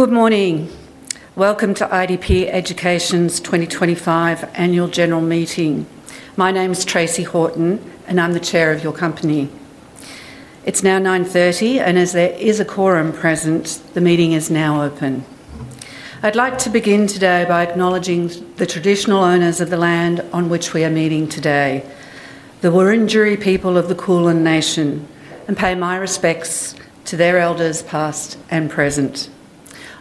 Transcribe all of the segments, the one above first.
Good morning. Welcome to IDP Education's 2025 Annual General Meeting. My name is Tracey Horton, and I'm the Chair of your company. It's now 9:30 A.M., and as there is a quorum present, the meeting is now open. I'd like to begin today by acknowledging the traditional owners of the land on which we are meeting today, the Wurundjeri people of the Kulin Nation, and pay my respects to their elders past and present.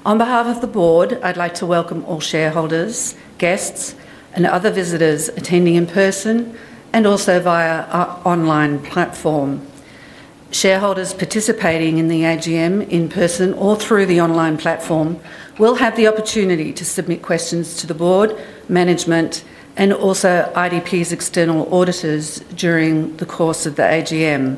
On behalf of the board, I'd like to welcome all shareholders, guests, and other visitors attending in person and also via our online platform. Shareholders participating in the AGM in person or through the online platform will have the opportunity to submit questions to the board, management, and also IDP's external auditors during the course of the AGM.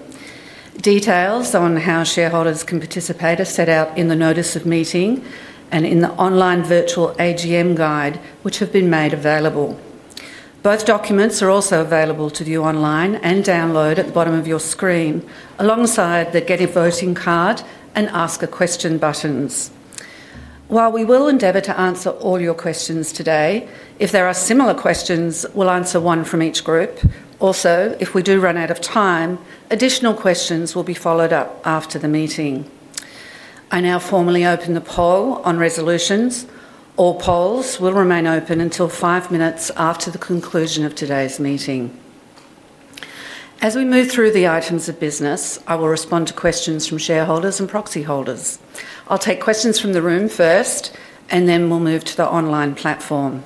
Details on how shareholders can participate are set out in the notice of meeting and in the online virtual AGM guide, which have been made available. Both documents are also available to view online and download at the bottom of your screen alongside the "Get a Voting Card" and "Ask a Question" buttons. While we will endeavor to answer all your questions today, if there are similar questions, we'll answer one from each group. Also, if we do run out of time, additional questions will be followed up after the meeting. I now formally open the poll on resolutions. All polls will remain open until five minutes after the conclusion of today's meeting. As we move through the items of business, I will respond to questions from shareholders and proxy holders. I'll take questions from the room first, and then we'll move to the online platform.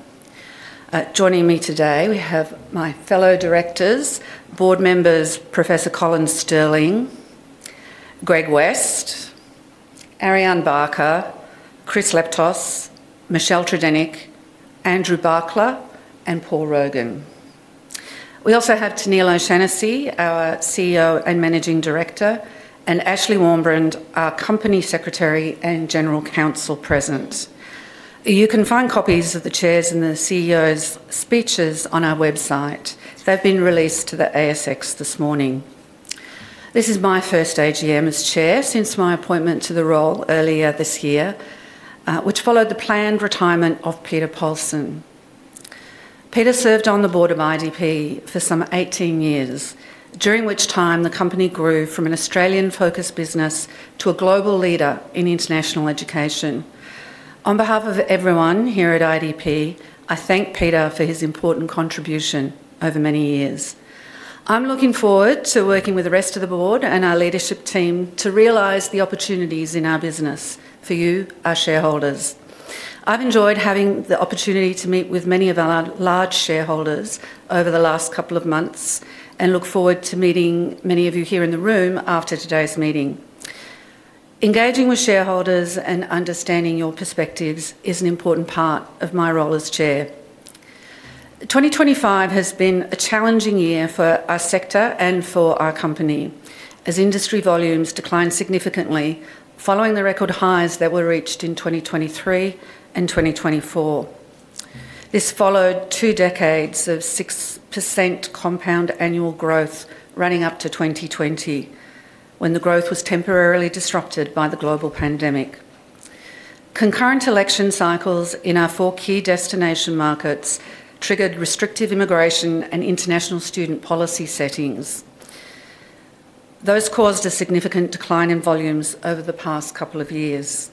Joining me today, we have my fellow directors, board members, Professor Colin Stirling, Greg West, Ariane Barker, Chris Leptos, Michelle Tredenick, Andrew Barkla, and Paul Rogan. We also have Tennealle O'Shannessy, our CEO and Managing Director, and Ashley Warmbrand, our Company Secretary and General Counsel present. You can find copies of the Chair's and the CEO's speeches on our website. They've been released to the ASX this morning. This is my first AGM as Chair since my appointment to the role earlier this year, which followed the planned retirement of Peter Polson. Peter served on the Board of IDP for some 18 years, during which time the company grew from an Australian-focused business to a global leader in international education. On behalf of everyone here at IDP, I thank Peter for his important contribution over many years. I'm looking forward to working with the rest of the board and our leadership team to realize the opportunities in our business for you, our shareholders. I've enjoyed having the opportunity to meet with many of our large shareholders over the last couple of months and look forward to meeting many of you here in the room after today's meeting. Engaging with shareholders and understanding your perspectives is an important part of my role as Chair. 2025 has been a challenging year for our sector and for our company as industry volumes declined significantly following the record highs that were reached in 2023 and 2024. This followed two decades of 6% compound annual growth running up to 2020, when the growth was temporarily disrupted by the global pandemic. Concurrent election cycles in our four key destination markets triggered restrictive immigration and international student policy settings. Those caused a significant decline in volumes over the past couple of years.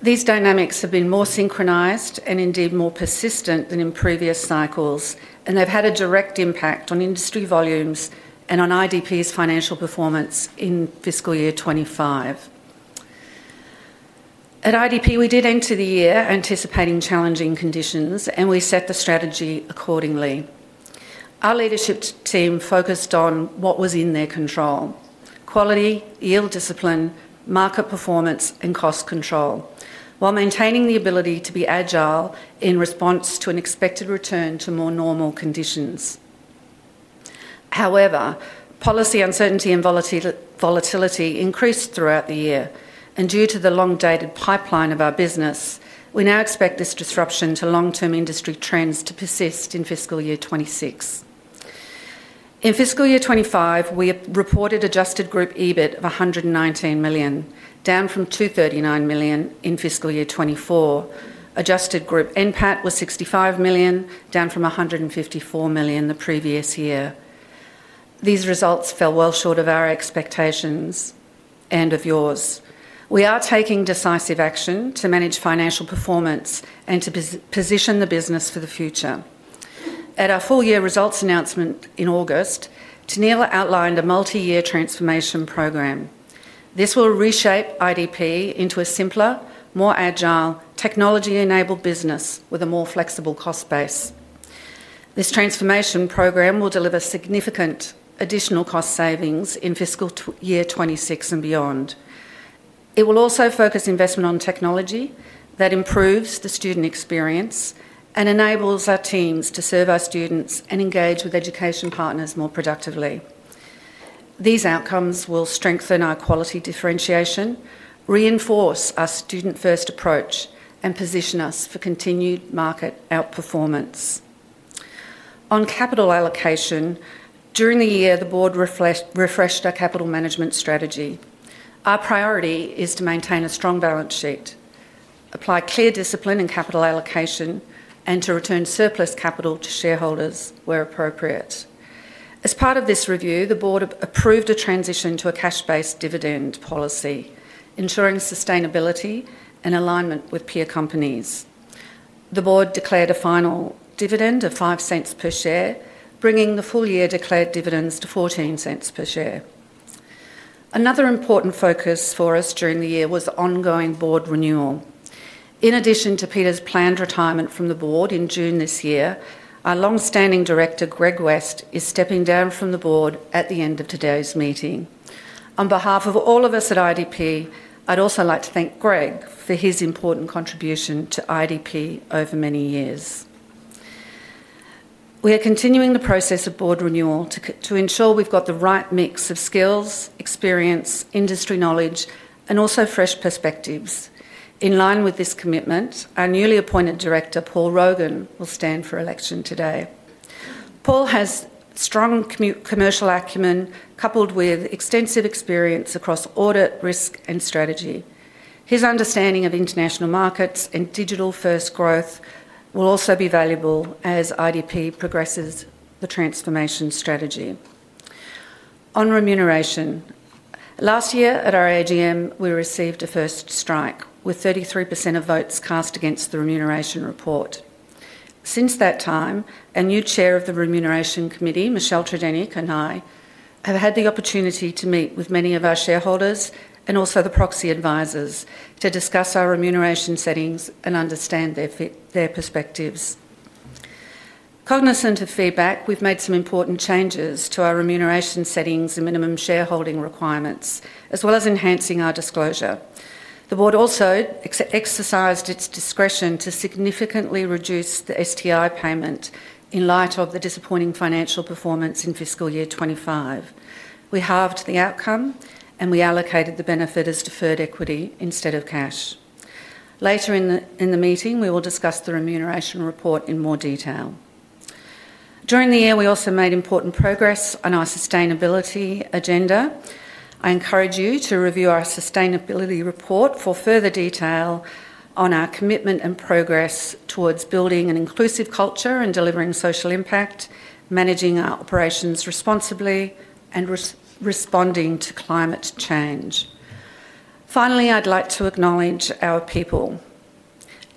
These dynamics have been more synchronized and indeed more persistent than in previous cycles, and they've had a direct impact on industry volumes and on IDP's financial performance in fiscal year 2025. At IDP, we did enter the year anticipating challenging conditions, and we set the strategy accordingly. Our leadership team focused on what was in their control: quality, yield discipline, market performance, and cost control, while maintaining the ability to be agile in response to an expected return to more normal conditions. However, policy uncertainty and volatility increased throughout the year, and due to the long-dated pipeline of our business, we now expect this disruption to long-term industry trends to persist in fiscal year 2026. In fiscal year 2025, we reported adjusted group EBIT of 119 million, down from 239 million in fiscal year 2024. Adjusted group NPAT was 65 million, down from 154 million the previous year. These results fell well short of our expectations and of yours. We are taking decisive action to manage financial performance and to position the business for the future. At our full-year results announcement in August, Tennealle outlined a multi-year transformation program. This will reshape IDP into a simpler, more agile, technology-enabled business with a more flexible cost base. This transformation program will deliver significant additional cost savings in fiscal year 2026 and beyond. It will also focus investment on technology that improves the student experience and enables our teams to serve our students and engage with education partners more productively. These outcomes will strengthen our quality differentiation, reinforce our student-first approach, and position us for continued market outperformance. On capital allocation, during the year, the board refreshed our capital management strategy. Our priority is to maintain a strong balance sheet, apply clear discipline in capital allocation, and to return surplus capital to shareholders where appropriate. As part of this review, the board approved a transition to a cash-based dividend policy, ensuring sustainability and alignment with peer companies. The board declared a final dividend of 0.05 per share, bringing the full year declared dividends to 0.14 per share. Another important focus for us during the year was ongoing board renewal. In addition to Peter's planned retirement from the board in June this year, our longstanding director, Greg West, is stepping down from the board at the end of today's meeting. On behalf of all of us at IDP, I'd also like to thank Greg for his important contribution to IDP over many years. We are continuing the process of board renewal to ensure we've got the right mix of skills, experience, industry knowledge, and also fresh perspectives. In line with this commitment, our newly appointed director, Paul Rogan, will stand for election today. Paul has strong commercial acumen, coupled with extensive experience across audit, risk, and strategy. His understanding of international markets and digital-first growth will also be valuable as IDP progresses the transformation strategy. On remuneration, last year at our AGM, we received a first strike with 33% of votes cast against the remuneration report. Since that time, a new Chair of the Remuneration Committee, Michelle Tredenick, and I have had the opportunity to meet with many of our shareholders and also the proxy advisors to discuss our remuneration settings and understand their perspectives. Cognizant of feedback, we've made some important changes to our remuneration settings and minimum shareholding requirements, as well as enhancing our disclosure. The board also exercised its discretion to significantly reduce the STI payment in light of the disappointing financial performance in fiscal year 2025. We halved the outcome, and we allocated the benefit as deferred equity instead of cash. Later in the meeting, we will discuss the remuneration report in more detail. During the year, we also made important progress on our sustainability agenda. I encourage you to review our sustainability report for further detail on our commitment and progress towards building an inclusive culture and delivering social impact, managing our operations responsibly, and responding to climate change. Finally, I'd like to acknowledge our people.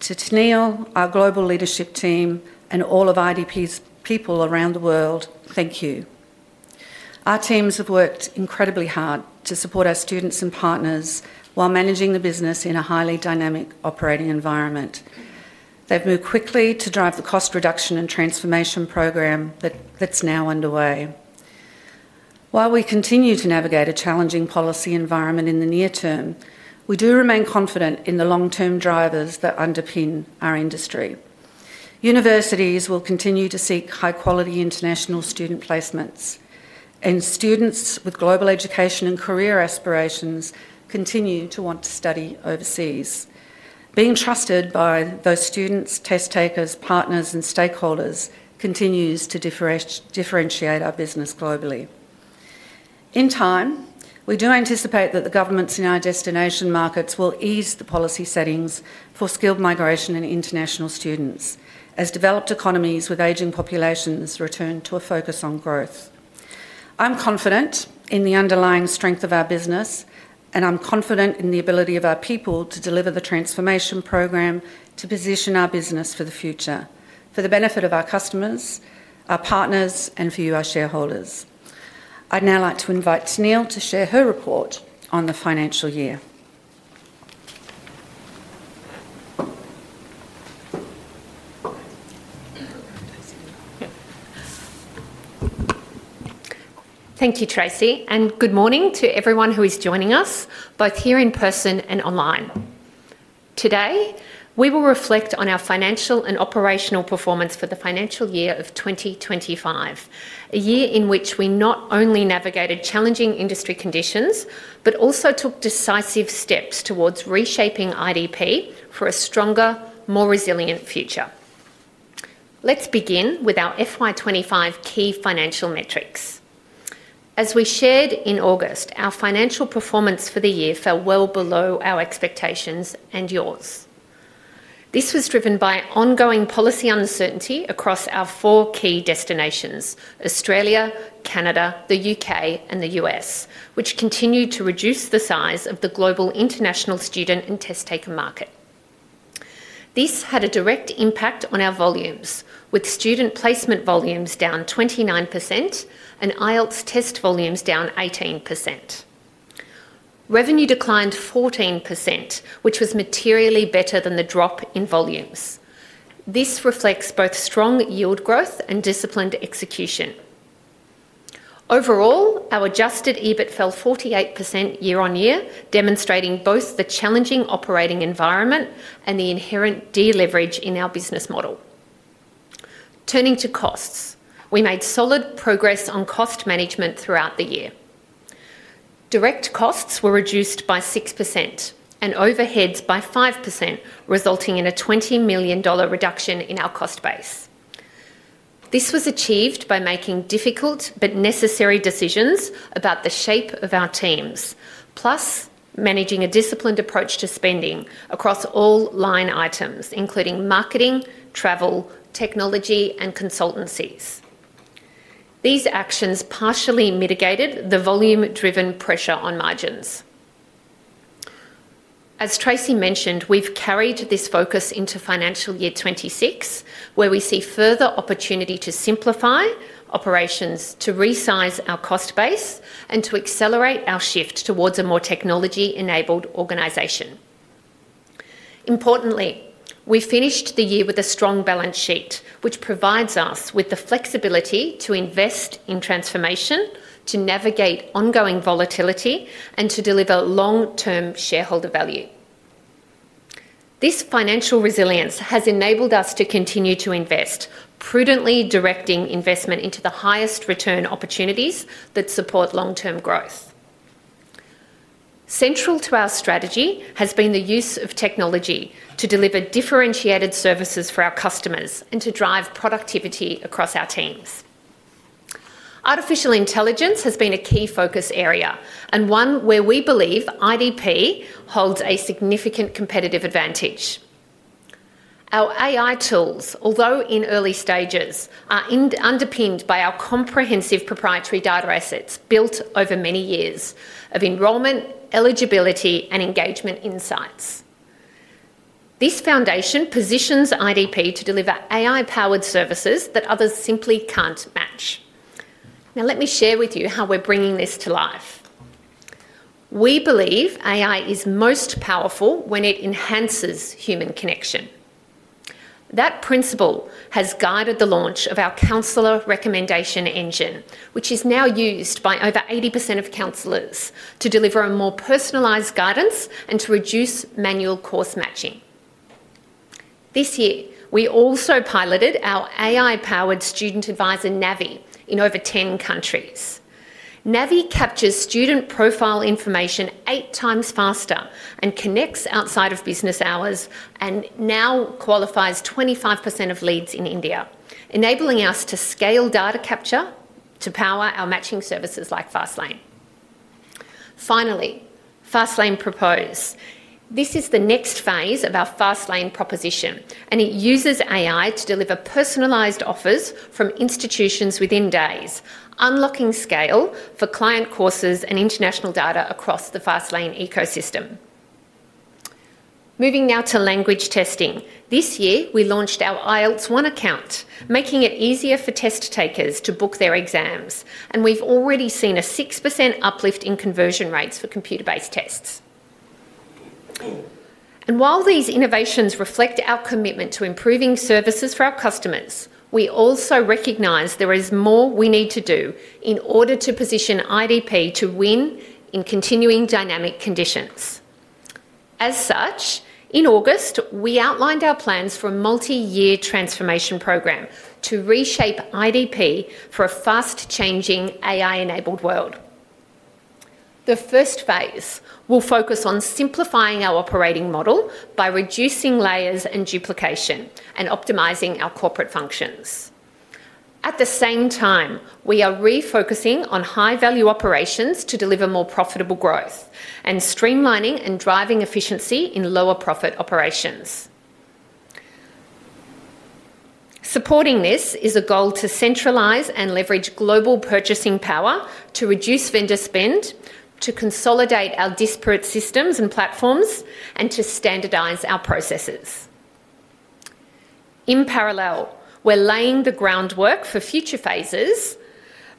To Tennealle, our global leadership team, and all of IDP's people around the world, thank you. Our teams have worked incredibly hard to support our students and partners while managing the business in a highly dynamic operating environment. They've moved quickly to drive the cost reduction and transformation program that's now underway. While we continue to navigate a challenging policy environment in the near term, we do remain confident in the long-term drivers that underpin our industry. Universities will continue to seek high-quality international student placements, and students with global education and career aspirations continue to want to study overseas. Being trusted by those students, test takers, partners, and stakeholders continues to differentiate our business globally. In time, we do anticipate that the governments in our destination markets will ease the policy settings for skilled migration and international students as developed economies with aging populations return to a focus on growth. I'm confident in the underlying strength of our business, and I'm confident in the ability of our people to deliver the transformation program to position our business for the future for the benefit of our customers, our partners, and for you, our shareholders. I'd now like to invite Tennealle to share her report on the financial year. Thank you, Tracey, and good morning to everyone who is joining us, both here in person and online. Today, we will reflect on our financial and operational performance for the financial year of 2025, a year in which we not only navigated challenging industry conditions, but also took decisive steps towards reshaping IDP for a stronger, more resilient future. Let's begin with our FY 2025 key financial metrics. As we shared in August, our financial performance for the year fell well below our expectations and yours. This was driven by ongoing policy uncertainty across our four key destinations: Australia, Canada, the U.K., and the U.S., which continued to reduce the size of the global international student and test taker market. This had a direct impact on our volumes, with student placement volumes down 29% and IELTS test volumes down 18%. Revenue declined 14%, which was materially better than the drop in volumes. This reflects both strong yield growth and disciplined execution. Overall, our adjusted EBIT fell 48% year on year, demonstrating both the challenging operating environment and the inherent deleverage in our business model. Turning to costs, we made solid progress on cost management throughout the year. Direct costs were reduced by 6% and overheads by 5%, resulting in a 20 million dollar reduction in our cost base. This was achieved by making difficult but necessary decisions about the shape of our teams, plus managing a disciplined approach to spending across all line items, including marketing, travel, technology, and consultancies. These actions partially mitigated the volume-driven pressure on margins. As Tracey mentioned, we've carried this focus into financial year 2026, where we see further opportunity to simplify operations, to resize our cost base, and to accelerate our shift towards a more technology-enabled organization. Importantly, we finished the year with a strong balance sheet, which provides us with the flexibility to invest in transformation, to navigate ongoing volatility, and to deliver long-term shareholder value. This financial resilience has enabled us to continue to invest, prudently directing investment into the highest return opportunities that support long-term growth. Central to our strategy has been the use of technology to deliver differentiated services for our customers and to drive productivity across our teams. Artificial intelligence has been a key focus area and one where we believe IDP holds a significant competitive advantage. Our AI tools, although in early stages, are underpinned by our comprehensive proprietary data assets built over many years of enrollment, eligibility, and engagement insights. This foundation positions IDP to deliver AI-powered services that others simply can't match. Now, let me share with you how we're bringing this to life. We believe AI is most powerful when it enhances human connection. That principle has guided the launch of our counselor recommendation engine, which is now used by over 80% of counselors to deliver more personalized guidance and to reduce manual course matching. This year, we also piloted our AI-powered student advisor, Navi, in over 10 countries. Navi captures student profile information eight times faster and connects outside of business hours and now qualifies 25% of leads in India, enabling us to scale data capture to power our matching services like FastLane. Finally, FastLane propose. This is the next phase of our FastLane proposition, and it uses AI to deliver personalized offers from institutions within days, unlocking scale for client courses and international data across the FastLane ecosystem. Moving now to language testing, this year we launched our IELTS One account, making it easier for test takers to book their exams, and we've already seen a 6% uplift in conversion rates for computer-based tests. While these innovations reflect our commitment to improving services for our customers, we also recognize there is more we need to do in order to position IDP to win in continuing dynamic conditions. As such, in August, we outlined our plans for a multi-year transformation program to reshape IDP for a fast-changing AI-enabled world. The first phase will focus on simplifying our operating model by reducing layers and duplication and optimizing our corporate functions. At the same time, we are refocusing on high-value operations to deliver more profitable growth and streamlining and driving efficiency in lower-profit operations. Supporting this is a goal to centralize and leverage global purchasing power, to reduce vendor spend, to consolidate our disparate systems and platforms, and to standardize our processes. In parallel, we're laying the groundwork for future phases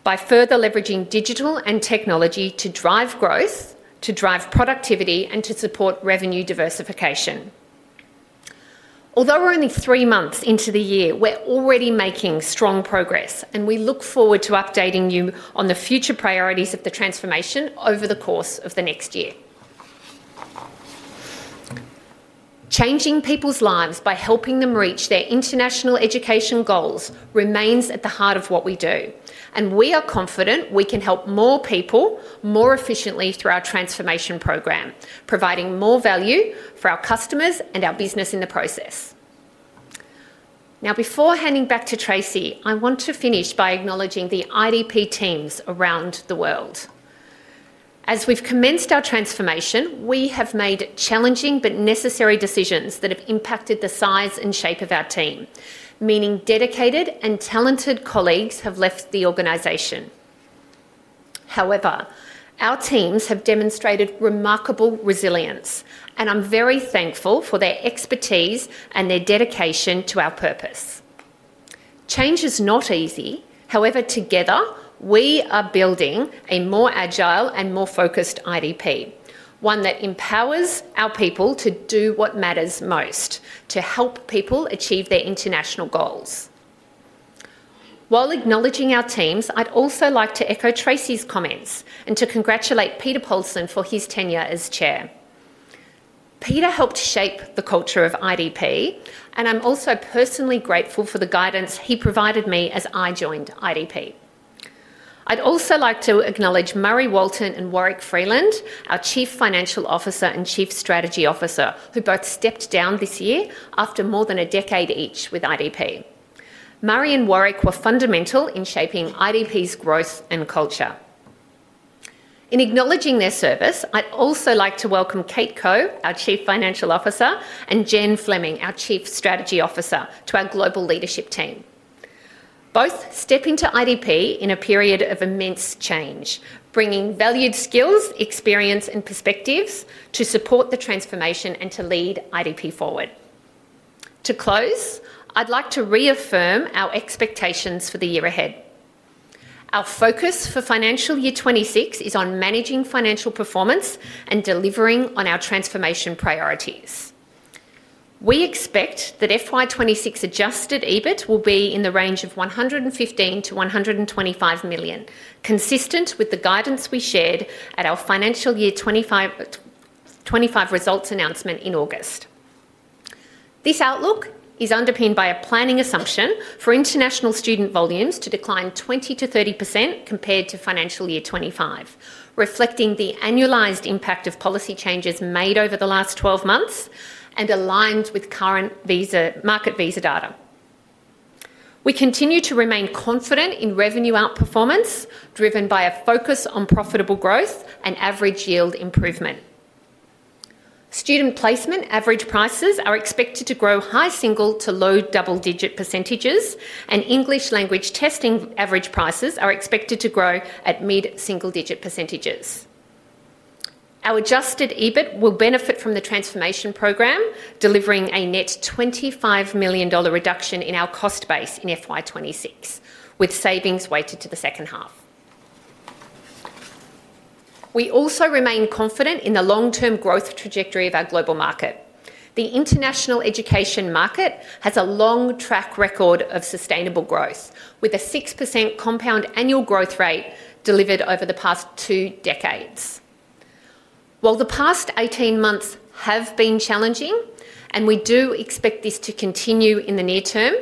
by further leveraging digital and technology to drive growth, to drive productivity, and to support revenue diversification. Although we're only three months into the year, we're already making strong progress, and we look forward to updating you on the future priorities of the transformation over the course of the next year. Changing people's lives by helping them reach their international education goals remains at the heart of what we do, and we are confident we can help more people more efficiently through our transformation program, providing more value for our customers and our business in the process. Now, before handing back to Tracey, I want to finish by acknowledging the IDP teams around the world. As we've commenced our transformation, we have made challenging but necessary decisions that have impacted the size and shape of our team, meaning dedicated and talented colleagues have left the organization. However, our teams have demonstrated remarkable resilience, and I'm very thankful for their expertise and their dedication to our purpose. Change is not easy; however, together we are building a more agile and more focused IDP, one that empowers our people to do what matters most, to help people achieve their international goals. While acknowledging our teams, I'd also like to echo Tracey's comments and to congratulate Peter Polson for his tenure as Chair. Peter helped shape the culture of IDP, and I'm also personally grateful for the guidance he provided me as I joined IDP. I'd also like to acknowledge Murray Walton and Warwick Freeland, our Chief Financial Officer and Chief Strategy Officer, who both stepped down this year after more than a decade each with IDP. Murray and Warwick were fundamental in shaping IDP's growth and culture. In acknowledging their service, I'd also like to welcome Kate Koch, our Chief Financial Officer, and Jen Fleming, our Chief Strategy Officer, to our global leadership team. Both stepped into IDP in a period of immense change, bringing valued skills, experience, and perspectives to support the transformation and to lead IDP forward. To close, I'd like to reaffirm our expectations for the year ahead. Our focus for financial year 2026 is on managing financial performance and delivering on our transformation priorities. We expect that FY 2026 adjusted EBIT will be in the range of 115 million-125 million, consistent with the guidance we shared at our financial year 2025 results announcement in August. This outlook is underpinned by a planning assumption for international student volumes to decline 20% to 30% compared to financial year 2025, reflecting the annualized impact of policy changes made over the last 12 months and aligned with current market visa data. We continue to remain confident in revenue outperformance, driven by a focus on profitable growth and average yield improvement. Student placement average prices are expected to grow high single to low double-digit percentages, and English language testing average prices are expected to grow at mid-single-digit percentages. Our adjusted EBIT will benefit from the transformation program, delivering a net 25 million dollar reduction in our cost base in FY 2026, with savings weighted to the second half. We also remain confident in the long-term growth trajectory of our global market. The international education market has a long track record of sustainable growth, with a 6% compound annual growth rate delivered over the past two decades. While the past 18 months have been challenging, and we do expect this to continue in the near term,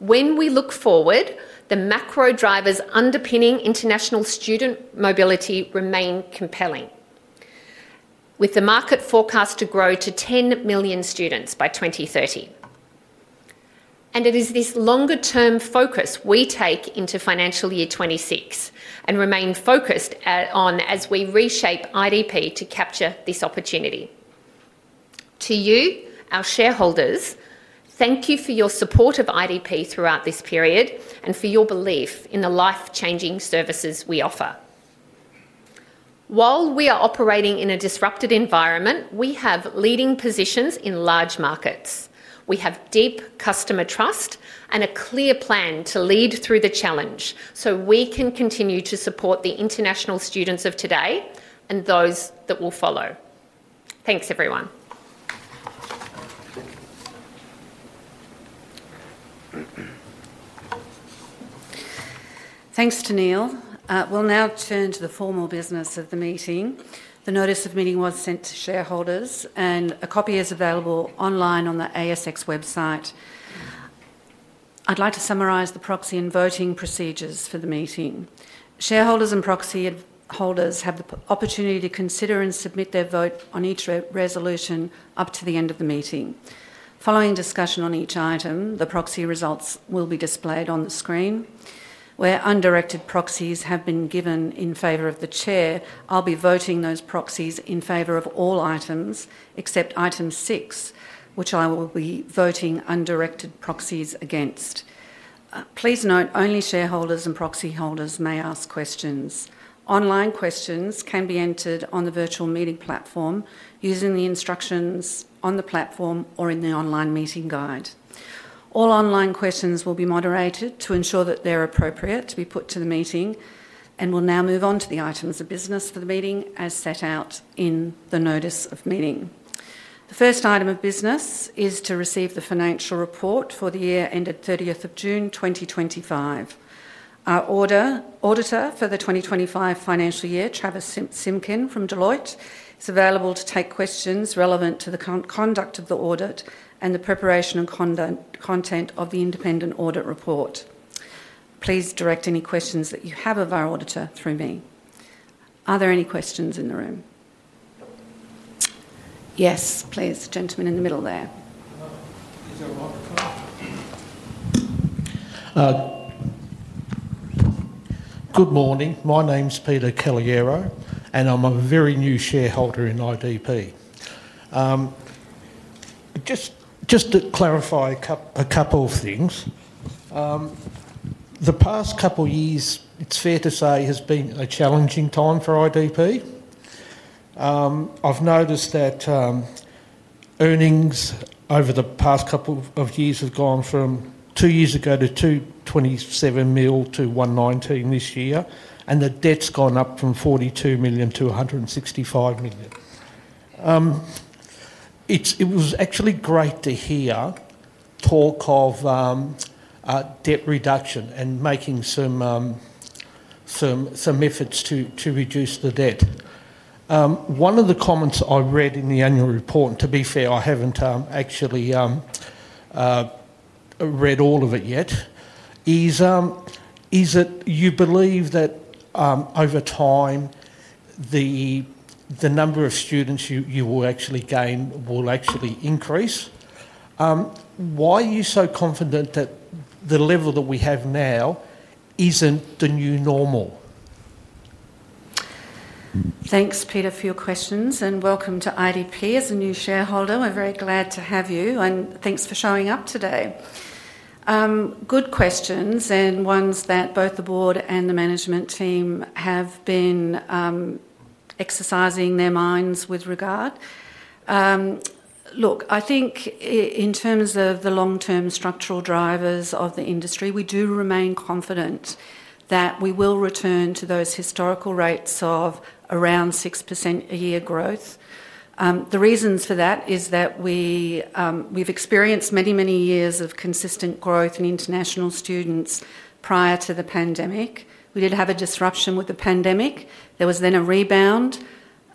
when we look forward, the macro drivers underpinning international student mobility remain compelling, with the market forecast to grow to 10 million students by 2030. It is this longer-term focus we take into financial year 2026 and remain focused on as we reshape IDP to capture this opportunity. To you, our shareholders, thank you for your support of IDP throughout this period and for your belief in the life-changing services we offer. While we are operating in a disrupted environment, we have leading positions in large markets. We have deep customer trust and a clear plan to lead through the challenge so we can continue to support the international students of today and those that will follow. Thanks, everyone. Thanks, Tennealle. We'll now turn to the formal business of the meeting. The notice of meeting was sent to shareholders, and a copy is available online on the ASX website. I'd like to summarize the proxy and voting procedures for the meeting. Shareholders and proxy holders have the opportunity to consider and submit their vote on each resolution up to the end of the meeting. Following discussion on each item, the proxy results will be displayed on the screen. Where undirected proxies have been given in favor of the Chair, I'll be voting those proxies in favor of all items except Item 6, which I will be voting undirected proxies against. Please note only shareholders and proxy holders may ask questions. Online questions can be entered on the virtual meeting platform using the instructions on the platform or in the online meeting guide. All online questions will be moderated to ensure that they're appropriate to be put to the meeting, and we'll now move on to the items of business for the meeting as set out in the notice of meeting. The first item of business is to receive the financial report for the year ended 30th of June, 2025. Our auditor for the 2025 financial year, Travis Simkin from Deloitte, is available to take questions relevant to the conduct of the audit and the preparation and content of the independent audit report. Please direct any questions that you have of our auditor through me. Are there any questions in the room? Yes, please, gentleman in the middle there. Good morning. My name's Peter Calliero, and I'm a very new shareholder in IDP. Just to clarify a couple of things, the past couple of years, it's fair to say, has been a challenging time for IDP. I've noticed that earnings over the past couple of years have gone from two years ago to 227 million to 119 million this year, and the debt's gone up from 42 million to 165 million. It was actually great to hear talk of debt reduction and making some efforts to reduce the debt. One of the comments I read in the annual report, and to be fair, I haven't actually read all of it yet, is that you believe that over time the number of students you will actually gain will actually increase. Why are you so confident that the level that we have now isn't the new normal? Thanks, Peter, for your questions, and welcome to IDP as a new shareholder. We're very glad to have you, and thanks for showing up today. Good questions and ones that both the board and the management team have been exercising their minds with regard. I think in terms of the long-term structural drivers of the industry, we do remain confident that we will return to those historical rates of around 6% a year growth. The reasons for that are that we've experienced many, many years of consistent growth in international students prior to the pandemic. We did have a disruption with the pandemic. There was then a rebound,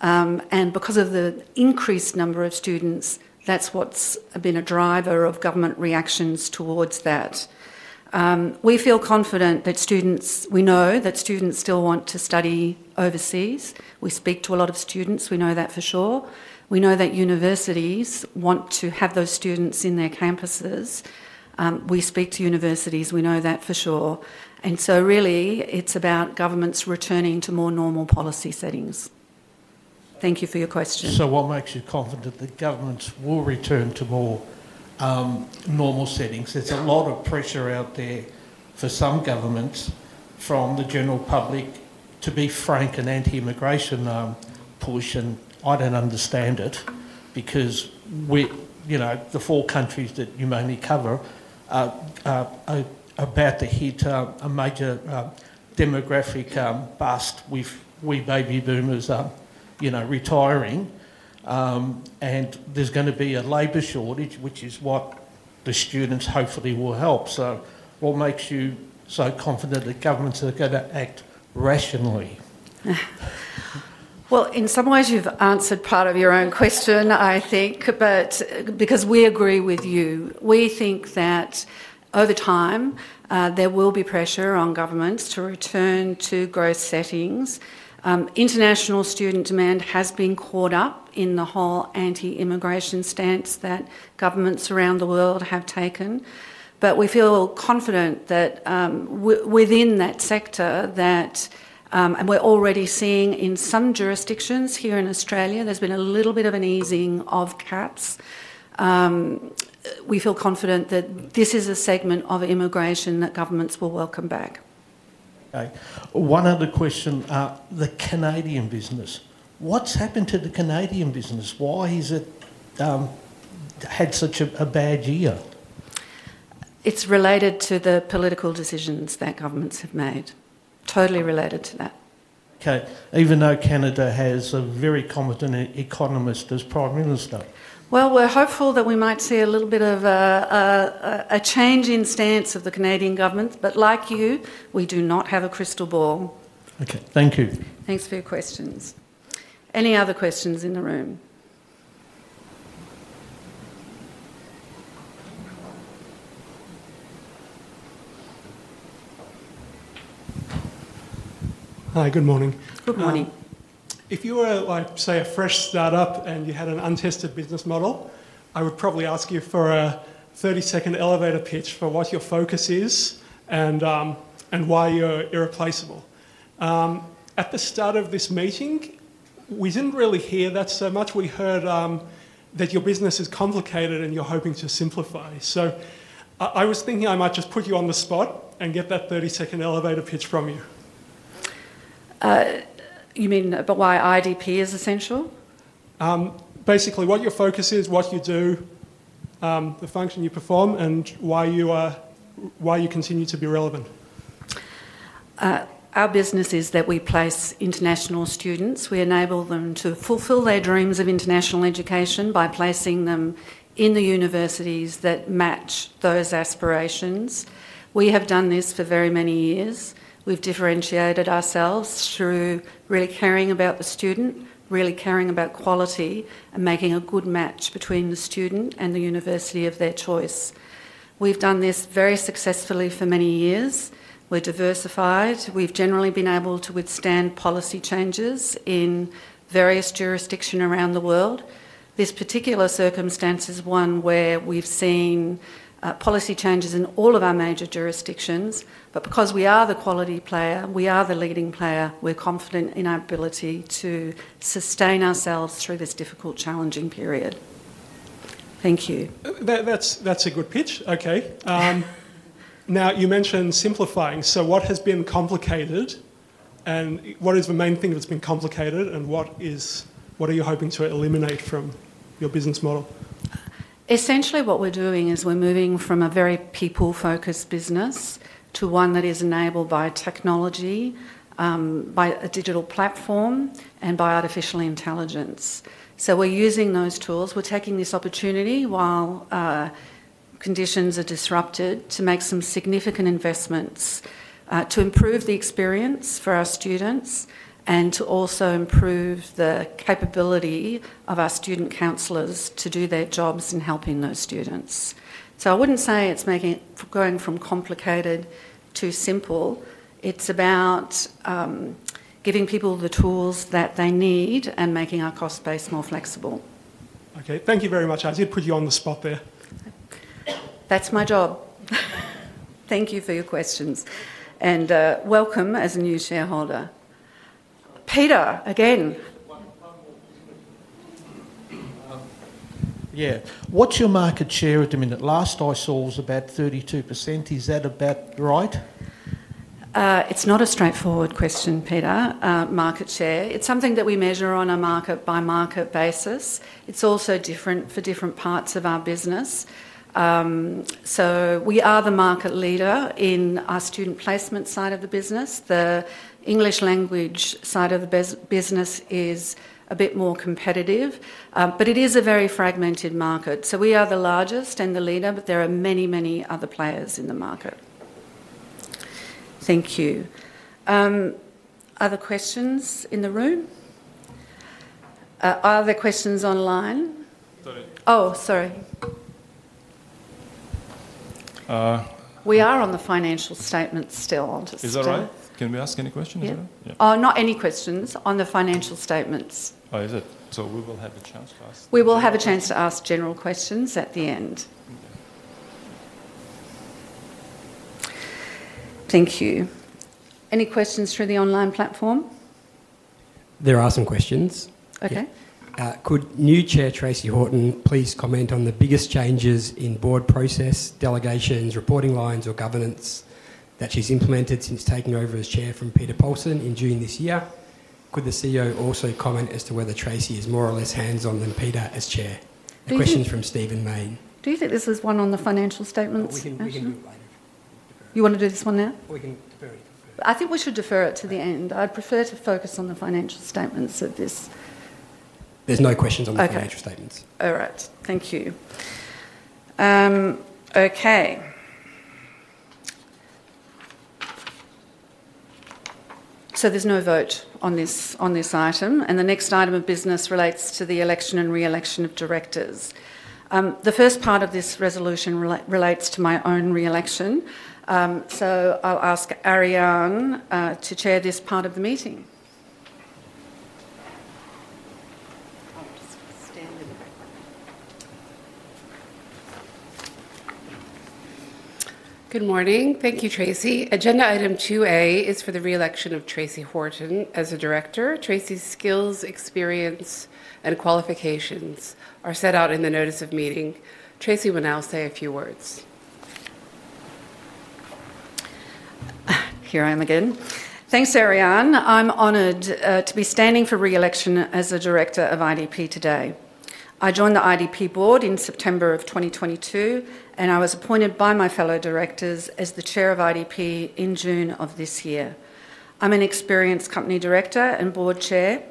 and because of the increased number of students, that's what's been a driver of government reactions towards that. We feel confident that students, we know that students still want to study overseas. We speak to a lot of students. We know that for sure. We know that universities want to have those students in their campuses. We speak to universities. We know that for sure. It's about governments returning to more normal policy settings. Thank you for your question. What makes you confident that governments will return to more normal settings? There's a lot of pressure out there for some governments from the general public, to be frank, and anti-immigration push, and I don't understand it because the four countries that you mainly cover are about to hit a major demographic bust with baby boomers retiring, and there's going to be a labor shortage, which is what the students hopefully will help. What makes you so confident that governments are going to act rationally? In some ways, you've answered part of your own question, I think, because we agree with you. We think that over time there will be pressure on governments to return to growth settings. International student demand has been caught up in the whole anti-immigration stance that governments around the world have taken, but we feel confident that within that sector, and we're already seeing in some jurisdictions here in Australia, there's been a little bit of an easing of caps. We feel confident that this is a segment of immigration that governments will welcome back. Okay. One other question, the Canadian business. What's happened to the Canadian business? Why has it had such a bad year? It's related to the political decisions that governments have made, totally related to that. Okay. Even though Canada has a very competent economist as Prime Minister. We are hopeful that we might see a little bit of a change in stance of the Canadian government, but like you, we do not have a crystal ball. Okay, thank you. Thanks for your questions. Any other questions in the room? Hi, good morning. Good morning. If you were, say, a fresh startup and you had an untested business model, I would probably ask you for a 30-second elevator pitch for what your focus is and why you're irreplaceable. At the start of this meeting, we didn't really hear that so much. We heard that your business is complicated and you're hoping to simplify. I was thinking I might just put you on the spot and get that 30-second elevator pitch from you. You mean about why IDP is essential? Basically, what your focus is, what you do, the function you perform, and why you continue to be relevant. Our business is that we place international students. We enable them to fulfill their dreams of international education by placing them in the universities that match those aspirations. We have done this for very many years. We've differentiated ourselves through really caring about the student, really caring about quality, and making a good match between the student and the university of their choice. We've done this very successfully for many years. We're diversified. We've generally been able to withstand policy changes in various jurisdictions around the world. This particular circumstance is one where we've seen policy changes in all of our major jurisdictions, but because we are the quality player, we are the leading player, we're confident in our ability to sustain ourselves through this difficult, challenging period. Thank you. That's a good pitch. Okay. You mentioned simplifying. What has been complicated, what is the main thing that's been complicated, and what are you hoping to eliminate from your business model? Essentially, what we're doing is we're moving from a very people-focused business to one that is enabled by technology, by a digital platform, and by artificial intelligence. We're using those tools. We're taking this opportunity while conditions are disrupted to make some significant investments to improve the experience for our students and to also improve the capability of our student counselors to do their jobs in helping those students. I wouldn't say it's going from complicated to simple. It's about giving people the tools that they need and making our cost base more flexible. Okay, thank you very much. I did put you on the spot there. That's my job. Thank you for your questions and welcome as a new shareholder. Peter, again. Yeah. What's your market share at the minute? Last I saw was about 32%. Is that about right? It's not a straightforward question, Peter. Market share is something that we measure on a market-by-market basis. It's also different for different parts of our business. We are the market leader in our student placement side of the business. The English language side of the business is a bit more competitive, but it is a very fragmented market. We are the largest and the leader, but there are many, many other players in the market. Thank you. Other questions in the room? Are there questions online? Oh, sorry. We are on the financial statements still, I'm just saying. Is that all right? Can we ask any questions there? Not any questions on the financial statements. Oh, is it? We will have a chance to ask? We will have a chance to ask general questions at the end. Thank you. Any questions through the online platform? There are some questions. Okay. Could new Chair Tracey Horton please comment on the biggest changes in board process, delegations, reporting lines, or governance that she's implemented since taking over as Chair from Peter Polson in June this year? Could the CEO also comment as to whether Tracey is more or less hands-on than Peter as Chair? Okay. Questions from Stephen Main. Do you think this is one on the financial statements? We can do it later. You want to do this one now? We can defer it. I think we should defer it to the end. I'd prefer to focus on the financial statements of this. There are no questions on the financial statements. All right. Thank you. There's no vote on this item, and the next item of business relates to the election and reelection of directors. The first part of this resolution relates to my own reelection. I'll ask Ariane to chair this part of the meeting. I'll just stand in the background. Good morning. Thank you, Tracey. Agenda Item 2(a) is for the reelection of Tracey Horton as a Director. Tracey's skills, experience, and qualifications are set out in the notice of meeting. Tracey will now say a few words. Here I am again. Thanks, Ariane. I'm honored to be standing for reelection as a Director of IDP today. I joined the IDP board in September of 2022, and I was appointed by my fellow directors as the Chair of IDP in June of this year. I'm an experienced company Director and Board Chair,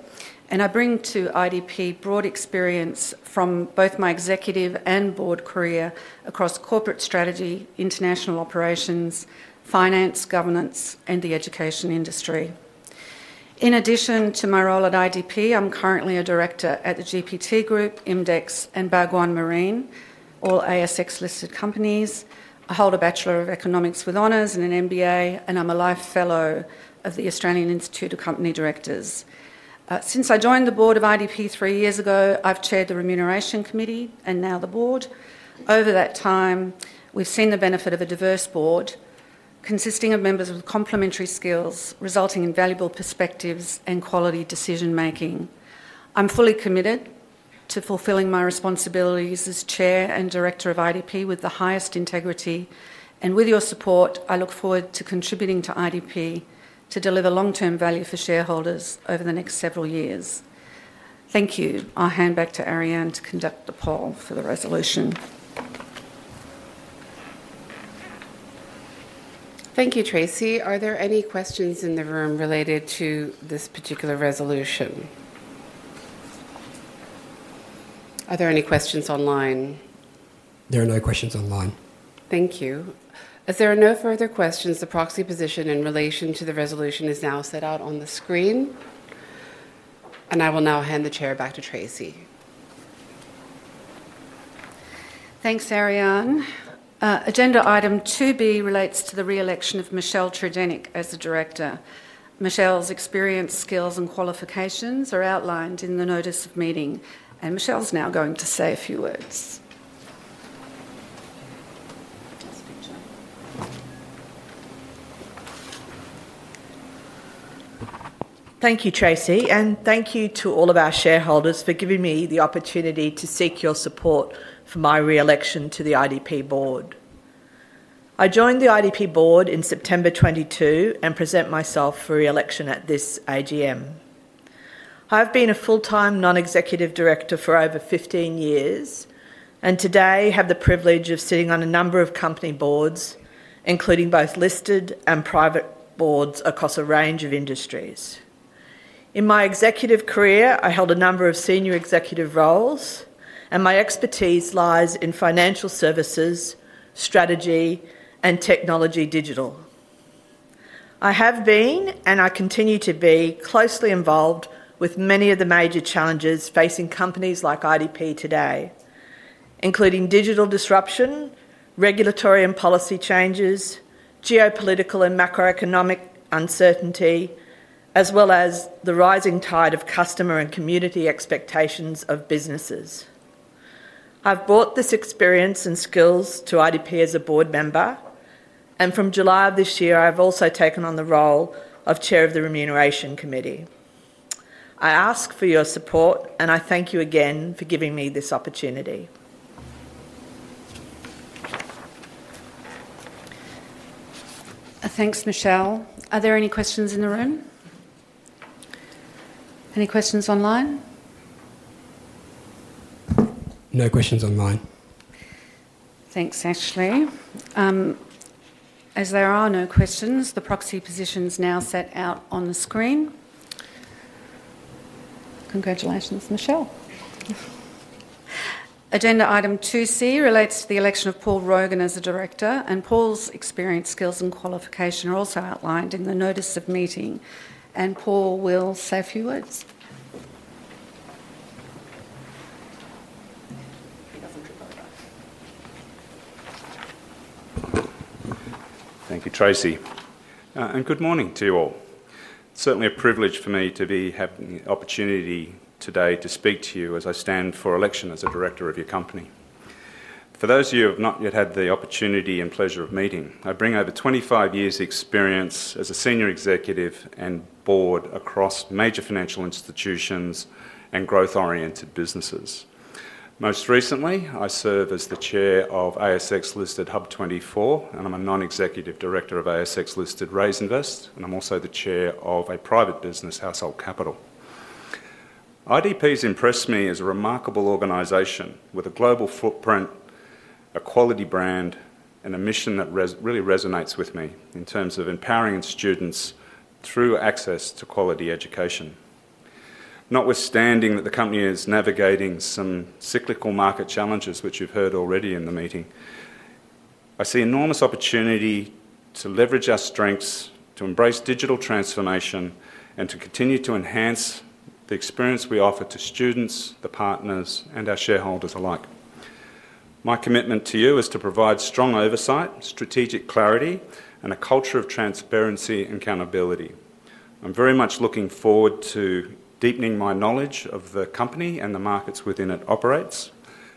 and I bring to IDP broad experience from both my executive and board career across corporate strategy, international operations, finance, governance, and the education industry. In addition to my role at IDP, I'm currently a Director at the GPT Group, IMDEX, and Bhagwan Marine, all ASX-listed companies. I hold a Bachelor of Economics with honors and an MBA, and I'm a Life Fellow of the Australian Institute of Company Directors. Since I joined the Board of IDP three years ago, I've chaired the Remuneration Committee and now the board. Over that time, we've seen the benefit of a diverse board consisting of members with complementary skills, resulting in valuable perspectives and quality decision-making. I'm fully committed to fulfilling my responsibilities as Chair and Director of IDP with the highest integrity, and with your support, I look forward to contributing to IDP to deliver long-term value for shareholders over the next several years. Thank you. I'll hand back to Ariane to conduct the poll for the resolution. Thank you, Tracey. Are there any questions in the room related to this particular resolution? Are there any questions online? There are no questions online. Thank you. As there are no further questions, the proxy position in relation to the resolution is now set out on the screen, and I will now hand the Chair back to Tracey. Thanks, Ariane. Agenda Item 2(b) relates to the reelection of Michelle Tredenick as the Director. Michelle's experience, skills, and qualifications are outlined in the notice of meeting, and Michelle's now going to say a few words. Thank you, Tracey, and thank you to all of our shareholders for giving me the opportunity to seek your support for my reelection to the IDP Board. I joined the IDP Board in September 2022 and present myself for reelection at this AGM. I've been a full-time Non-Executive Director for over 15 years, and today I have the privilege of sitting on a number of company boards, including both listed and private boards across a range of industries. In my executive career, I held a number of senior executive roles, and my expertise lies in financial services, strategy, and technology digital. I have been, and I continue to be, closely involved with many of the major challenges facing companies like IDP today, including digital disruption, regulatory and policy changes, geopolitical and macroeconomic uncertainty, as well as the rising tide of customer and community expectations of businesses. I've brought this experience and skills to IDP as a board member, and from July of this year, I've also taken on the role of Chair of the Remuneration Committee. I ask for your support, and I thank you again for giving me this opportunity. Thanks, Michelle. Are there any questions in the room? Any questions online? No questions online. Thanks, Ashley. As there are no questions, the proxy position is now set out on the screen. Congratulations, Michelle. Agenda Item 2(c) relates to the election of Paul Rogan as a Director, and Paul's experience, skills, and qualification are also outlined in the notice of meeting, and Paul will say a few words. Thank you, Tracey. Good morning to you all. Certainly a privilege for me to be having the opportunity today to speak to you as I stand for election as a Director of your company. For those of you who have not yet had the opportunity and pleasure of meeting, I bring over 25 years of experience as a Senior Executive and board across major financial institutions and growth-oriented businesses. Most recently, I serve as the Chair of ASX-listed HUB24, and I'm a Non-Executive Director of ASX-listed Raiz Invest, and I'm also the Chair of a private business, Household Capital. IDP has impressed me as a remarkable organization with a global footprint, a quality brand, and a mission that really resonates with me in terms of empowering students through access to quality education. Notwithstanding that the company is navigating some cyclical market challenges, which you've heard already in the meeting, I see enormous opportunity to leverage our strengths, to embrace digital transformation, and to continue to enhance the experience we offer to students, the partners, and our shareholders alike. My commitment to you is to provide strong oversight, strategic clarity, and a culture of transparency and accountability. I'm very much looking forward to deepening my knowledge of the company and the markets within it operates,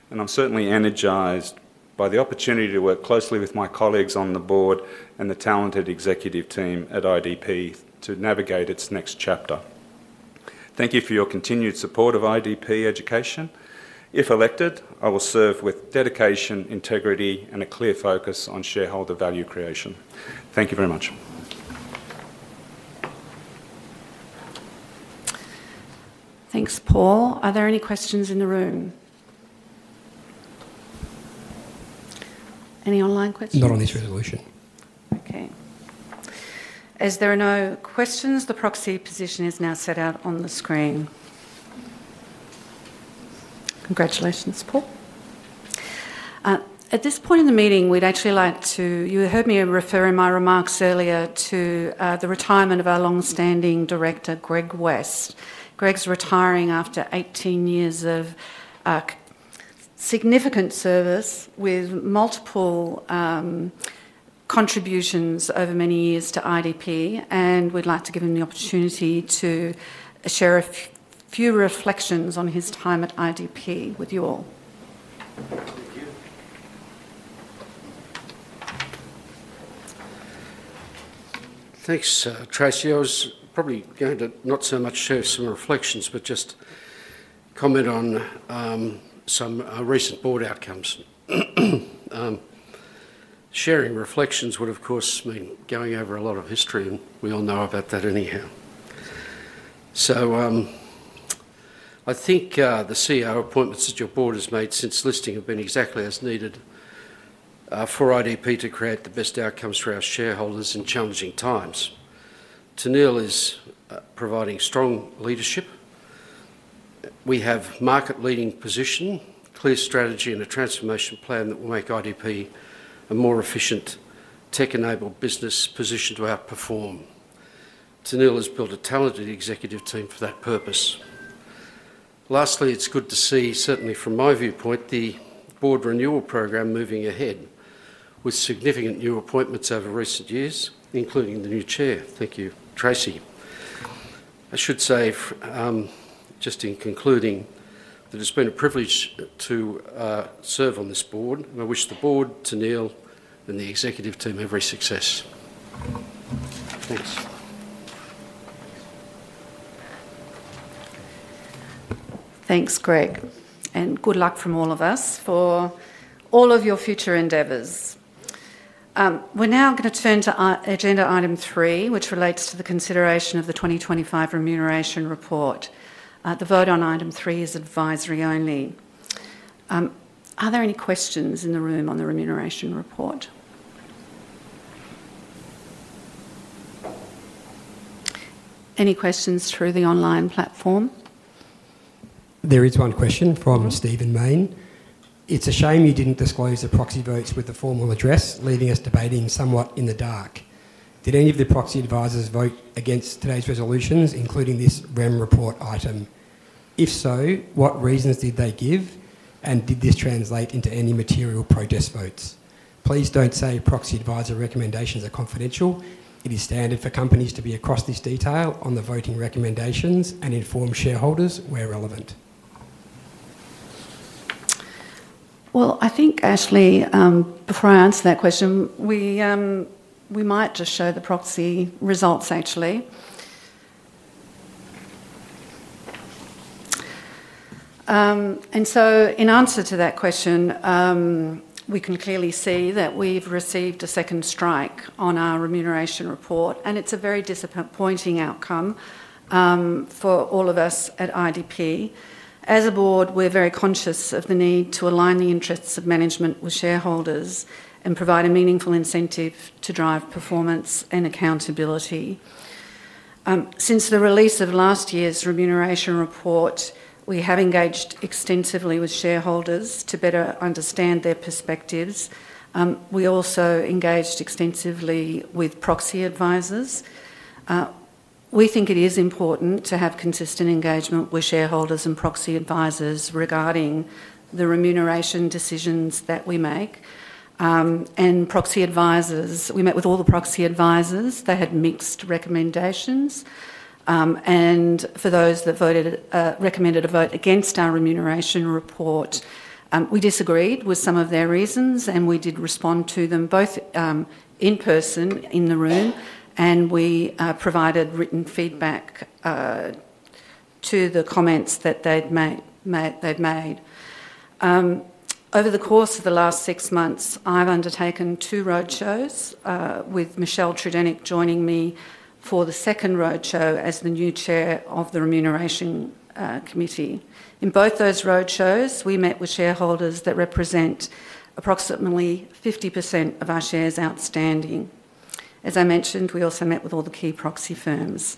and I'm certainly energized by the opportunity to work closely with my colleagues on the board and the talented executive team at IDP to navigate its next chapter. Thank you for your continued support of IDP Education. If elected, I will serve with dedication, integrity, and a clear focus on shareholder value creation. Thank you very much. Thanks, Paul. Are there any questions in the room? Any online questions? Not on this resolution. Okay. As there are no questions, the proxy position is now set out on the screen. Congratulations, Paul. At this point in the meeting, we'd actually like to, you heard me refer in my remarks earlier to the retirement of our long-standing Director, Greg West. Greg's retiring after 18 years of significant service with multiple contributions over many years to IDP, and we'd like to give him the opportunity to share a few reflections on his time at IDP with you all. Thanks, Tracey. I was probably going to not so much share some reflections, but just comment on some recent board outcomes. Sharing reflections would, of course, mean going over a lot of history, and we all know about that anyhow. I think the CEO appointments that your board has made since listing have been exactly as needed for IDP to create the best outcomes for our shareholders in challenging times. Tennealle is providing strong leadership. We have a market-leading position, clear strategy, and a transformation plan that will make IDP a more efficient tech-enabled business positioned to outperform. Tennealle has built a talented executive team for that purpose. Lastly, it's good to see, certainly from my viewpoint, the board renewal program moving ahead with significant new appointments over recent years, including the new Chair. Thank you, Tracey. I should say, just in concluding, that it's been a privilege to serve on this board, and I wish the board, Tennealle, and the executive team every success. Thanks. Thanks, Greg, and good luck from all of us for all of your future endeavors. We're now going to turn to agenda Item 3, which relates to the consideration of the 2025 remuneration report. The vote on Item 3 is advisory only. Are there any questions in the room on the remuneration report? Any questions through the online platform? There is one question from Stephen Main. It's a shame you didn't disclose the proxy votes with a formal address, leading us debating somewhat in the dark. Did any of the proxy advisors vote against today's resolutions, including this remuneration report item? If so, what reasons did they give, and did this translate into any material protest votes? Please don't say proxy advisor recommendations are confidential. It is standard for companies to be across this detail on the voting recommendations and inform shareholders where relevant. I think, Ashley, before I answer that question, we might just show the proxy results, actually. In answer to that question, we can clearly see that we've received a second strike on our remuneration report, and it's a very disappointing outcome for all of us at IDP. As a board, we're very conscious of the need to align the interests of management with shareholders and provide a meaningful incentive to drive performance and accountability. Since the release of last year's remuneration report, we have engaged extensively with shareholders to better understand their perspectives. We also engaged extensively with proxy advisors. We think it is important to have consistent engagement with shareholders and proxy advisors regarding the remuneration decisions that we make. We met with all the proxy advisors. They had mixed recommendations, and for those that recommended a vote against our remuneration report, we disagreed with some of their reasons, and we did respond to them both in person in the room, and we provided written feedback to the comments that they'd made. Over the course of the last six months, I've undertaken two road shows, with Michelle Tredenick joining me for the second road show as the new Chair of the Remuneration Committee. In both those road shows, we met with shareholders that represent approximately 50% of our shares outstanding. As I mentioned, we also met with all the key proxy firms.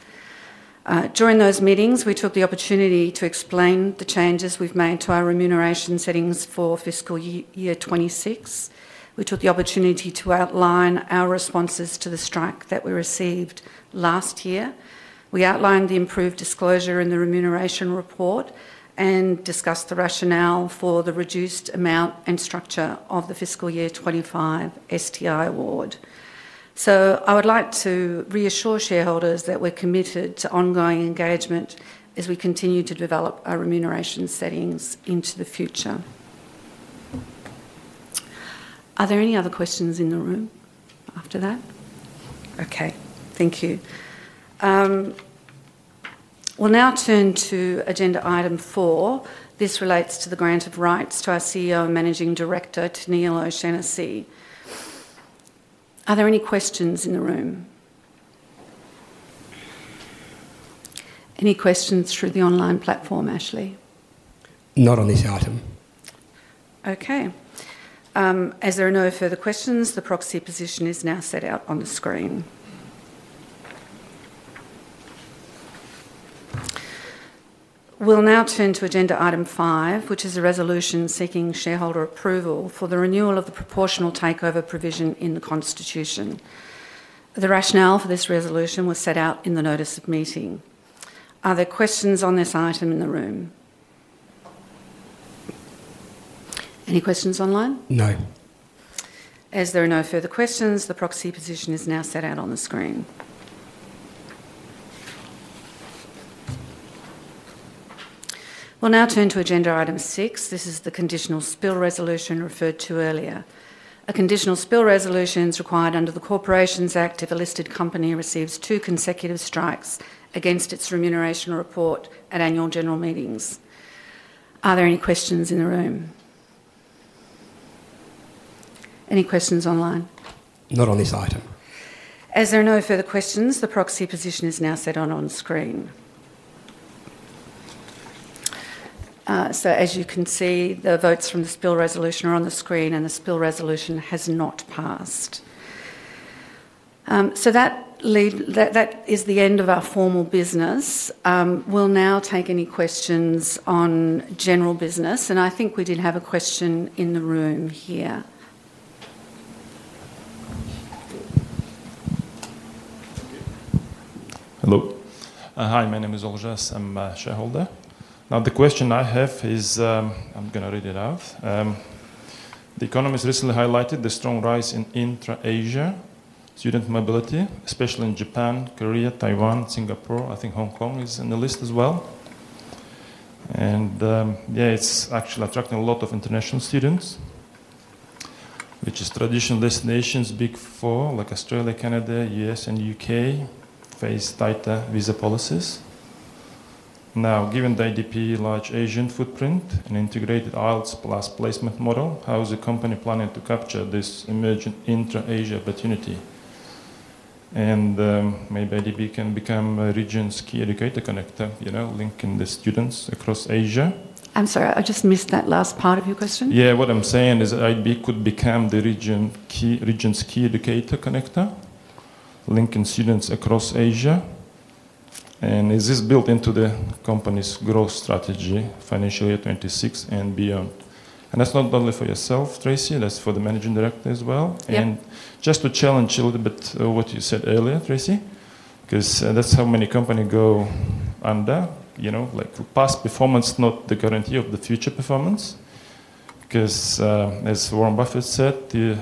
During those meetings, we took the opportunity to explain the changes we've made to our remuneration settings for fiscal year 2026. We took the opportunity to outline our responses to the strike that we received last year. We outlined the improved disclosure in the remuneration report and discussed the rationale for the reduced amount and structure of the fiscal year 2025 STI award. I would like to reassure shareholders that we're committed to ongoing engagement as we continue to develop our remuneration settings into the future. Are there any other questions in the room after that? Thank you. We'll now turn to agenda Item 4. This relates to the grant of rights to our CEO and Managing Director, Tennealle O'Shannessy. Are there any questions in the room? Any questions through the online platform, Ashley? Not on this item. Okay. As there are no further questions, the proxy position is now set out on the screen. We'll now turn to agenda Item 5, which is a resolution seeking shareholder approval for the renewal of the proportional takeover provision in the Constitution. The rationale for this resolution was set out in the notice of meeting. Are there questions on this item in the room? Any questions online? No. As there are no further questions, the proxy position is now set out on the screen. We'll now turn to agenda Item 6. This is the conditional spill resolution referred to earlier. A conditional spill resolution is required under the Corporations Act if a listed company receives two consecutive strikes against its remuneration report at annual general meetings. Are there any questions in the room? Any questions online? Not on this item. As there are no further questions, the proxy position is now set out on the screen. As you can see, the votes from the spill resolution are on the screen, and the spill resolution has not passed. That is the end of our formal business. We'll now take any questions on general business, and I think we did have a question in the room here. Hello. Hi, my name is Andreas. I'm a shareholder. The question I have is, I'm going to read it out. The Economist recently highlighted the strong rise in intra-Asia student mobility, especially in Japan, Korea, Taiwan, and Singapore. I think Hong Kong is in the list as well. It's actually attracting a lot of international students, which is traditional destinations. Big Four, like Australia, Canada, U.S., and U.K., face tighter visa policies. Given the IDP large Asian footprint and integrated IELTS plus placement model, how is the company planning to capture this emerging intra-Asia opportunity? Maybe IDP can become a region's key educator connector, linking the students across Asia. I'm sorry, I just missed that last part of your question. Yeah, what I'm saying is IDP could become the region's key educator connector, linking students across Asia. Is this built into the company's growth strategy, financial year 2026 and beyond? That's not only for yourself, Tracey, that's for the Managing Director as well. Just to challenge you a little bit on what you said earlier, Tracey, because that's how many companies go under, you know, like past performance, not the current year or the future performance. As Warren Buffett said,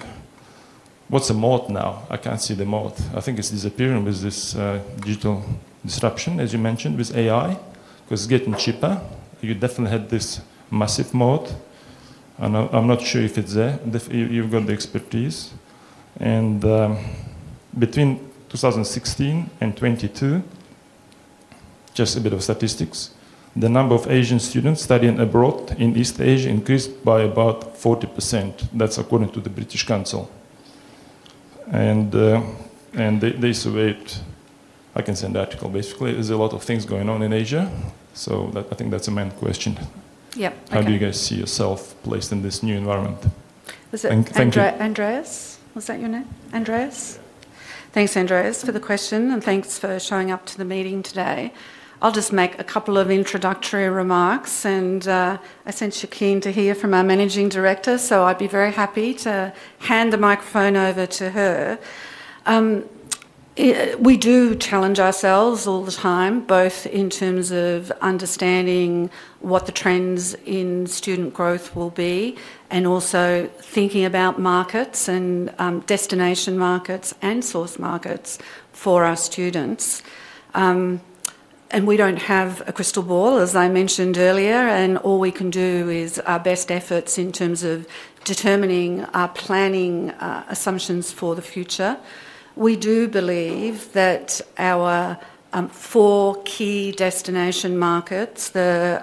what's the moat now? I can't see the moat. I think it's disappearing with this digital disruption, as you mentioned, with AI, because it's getting cheaper. You definitely had this massive moat, and I'm not sure if it's there. You've got the expertise. Between 2016 and 2022, just a bit of statistics, the number of Asian students studying abroad in East Asia increased by about 40%. That's according to the British Council. They surveyed, I can send the article, basically. There's a lot of things going on in Asia. I think that's a main question. Yep. How do you guys see yourself placed in this new environment? Thank you. Andreas, was that your name? Andreas? Thanks, Andreas, for the question, and thanks for showing up to the meeting today. I'll just make a couple of introductory remarks. I sense you're keen to hear from our Managing Director, so I'd be very happy to hand the microphone over to her. We do challenge ourselves all the time, both in terms of understanding what the trends in student growth will be and also thinking about markets and destination markets and source markets for our students. We don't have a crystal ball, as I mentioned earlier, and all we can do is our best efforts in terms of determining our planning assumptions for the future. We do believe that our four key destination markets, the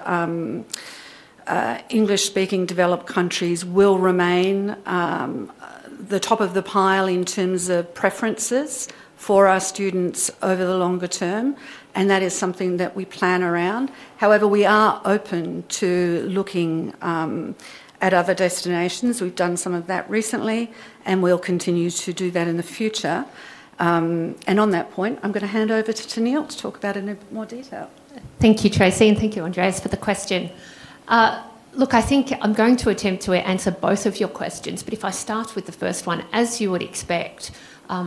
English-speaking developed countries, will remain the top of the pile in terms of preferences for our students over the longer term, and that is something that we plan around. However, we are open to looking at other destinations. We've done some of that recently, and we'll continue to do that in the future. On that point, I'm going to hand over to Tennealle to talk about it in a bit more detail. Thank you, Tracey, and thank you, Andreas, for the question. I think I'm going to attempt to answer both of your questions, but if I start with the first one, as you would expect, a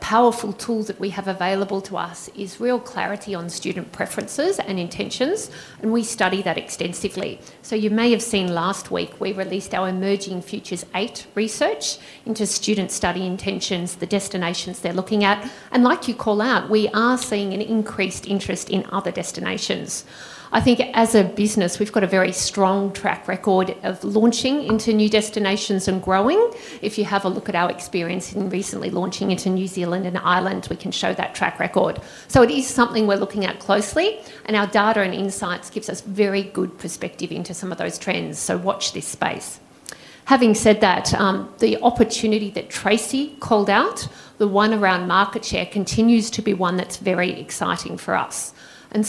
powerful tool that we have available to us is real clarity on student preferences and intentions, and we study that extensively. You may have seen last week we released our Emerging Futures eighth research into student study intentions, the destinations they're looking at. Like you call out, we are seeing an increased interest in other destinations. I think as a business, we've got a very strong track record of launching into new destinations and growing. If you have a look at our experience in recently launching into New Zealand and Ireland, we can show that track record. It is something we're looking at closely, and our data and insights give us very good perspective into some of those trends. Watch this space. Having said that, the opportunity that Tracey called out, the one around market share, continues to be one that's very exciting for us.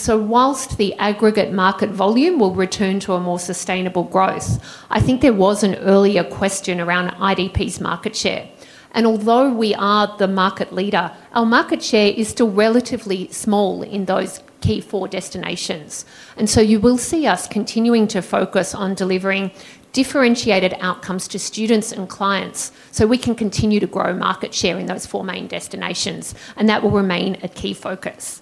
Whilst the aggregate market volume will return to a more sustainable growth, I think there was an earlier question around IDP's market share. Although we are the market leader, our market share is still relatively small in those key four destinations. You will see us continuing to focus on delivering differentiated outcomes to students and clients so we can continue to grow market share in those four main destinations, and that will remain a key focus.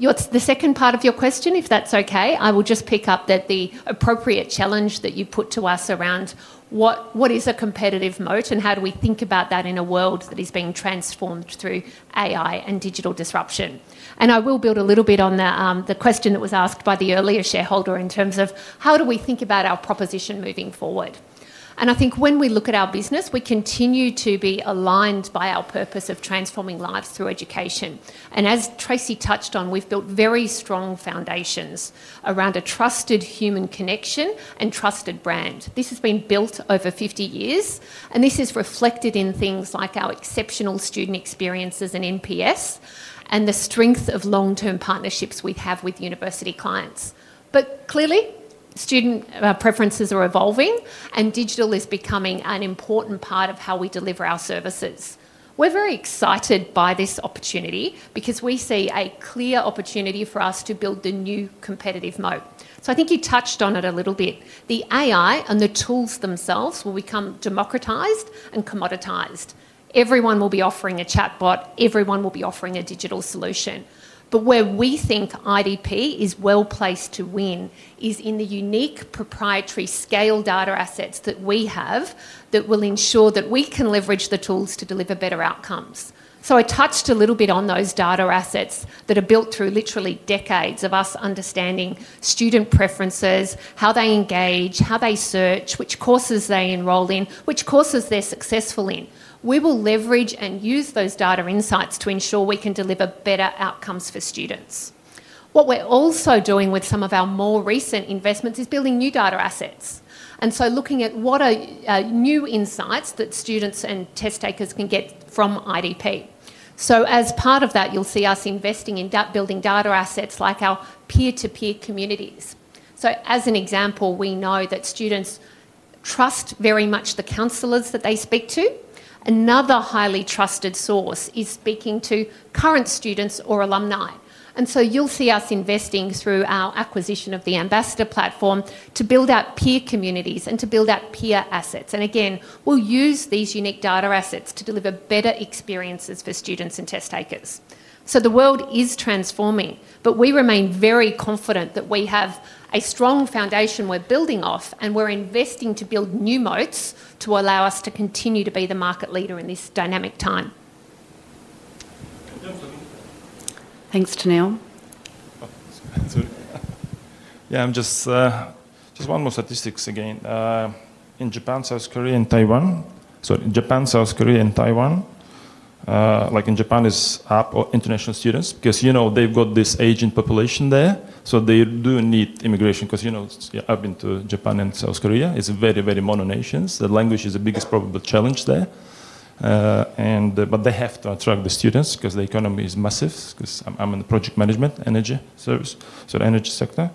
The second part of your question, if that's okay, I will just pick up that the appropriate challenge that you put to us around what is a competitive moat and how do we think about that in a world that is being transformed through AI and digital disruption. I will build a little bit on the question that was asked by the earlier shareholder in terms of how do we think about our proposition moving forward. I think when we look at our business, we continue to be aligned by our purpose of transforming lives through education. As Tracey touched on, we've built very strong foundations around a trusted human connection and trusted brand. This has been built over 50 years, and this is reflected in things like our exceptional student experiences and NPS and the strength of long-term partnerships we have with university clients. Clearly, student preferences are evolving, and digital is becoming an important part of how we deliver our services. We're very excited by this opportunity because we see a clear opportunity for us to build a new competitive moat. I think you touched on it a little bit. The AI and the tools themselves will become democratized and commoditized. Everyone will be offering a chatbot. Everyone will be offering a digital solution. Where we think IDP is well placed to win is in the unique proprietary scale data assets that we have that will ensure that we can leverage the tools to deliver better outcomes. I touched a little bit on those data assets that are built through literally decades of us understanding student preferences, how they engage, how they search, which courses they enroll in, which courses they're successful in. We will leverage and use those data insights to ensure we can deliver better outcomes for students. What we're also doing with some of our more recent investments is building new data assets. Looking at what are new insights that students and test takers can get from IDP. As part of that, you'll see us investing in building data assets like our peer-to-peer communities. As an example, we know that students trust very much the counselors that they speak to. Another highly trusted source is speaking to current students or alumni. You'll see us investing through our acquisition of the Ambassador Platform to build out peer communities and to build out peer assets. Again, we'll use these unique data assets to deliver better experiences for students and test takers. The world is transforming, but we remain very confident that we have a strong foundation we're building off, and we're investing to build new moats to allow us to continue to be the market leader in this dynamic time. Thanks, Tennealle. Yeah, just one more statistic again. In Japan, South Korea, and Taiwan, like in Japan, it's up for international students because, you know, they've got this aging population there. They do need immigration because, you know, I've been to Japan and South Korea. It's very, very mono-nations. The language is the biggest probable challenge there. They have to attract the students because the economy is massive. I'm in the project management energy service, so the energy sector.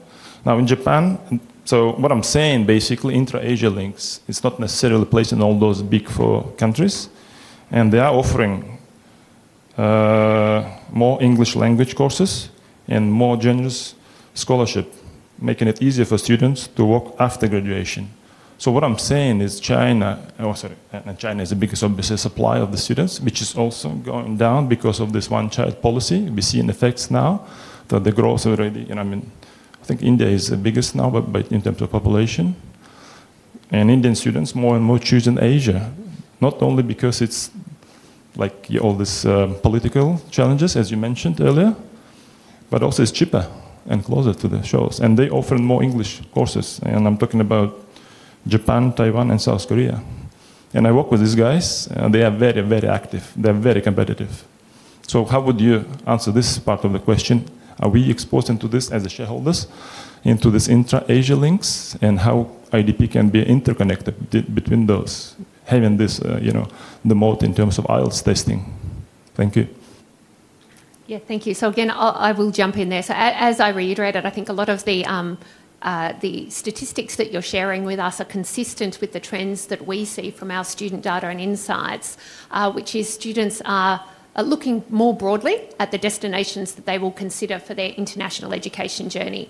Now in Japan, what I'm saying basically, intra-Asia links, it's not necessarily placed in all those big four countries. They are offering more English language courses and more generous scholarship, making it easier for students to work after graduation. What I'm saying is China, oh, sorry, and China is the biggest, obviously, supply of the students, which is also going down because of this one-child policy. We see in effect now that the growth already, you know, I mean, I think India is the biggest now, but in terms of population. Indian students more and more choosing Asia, not only because it's like all these political challenges, as you mentioned earlier, but also it's cheaper and closer to the shores. They offer more English courses. I'm talking about Japan, Taiwan, and South Korea. I work with these guys. They are very, very active. They're very competitive. How would you answer this part of the question? Are we exposed into this as shareholders, into this intra-Asia links, and how IDP can be interconnected between those, having this, you know, the moat in terms of IELTS testing? Thank you. Thank you. I will jump in there. As I reiterated, I think a lot of the statistics that you're sharing with us are consistent with the trends that we see from our student data and insights, which is students are looking more broadly at the destinations that they will consider for their international education journey.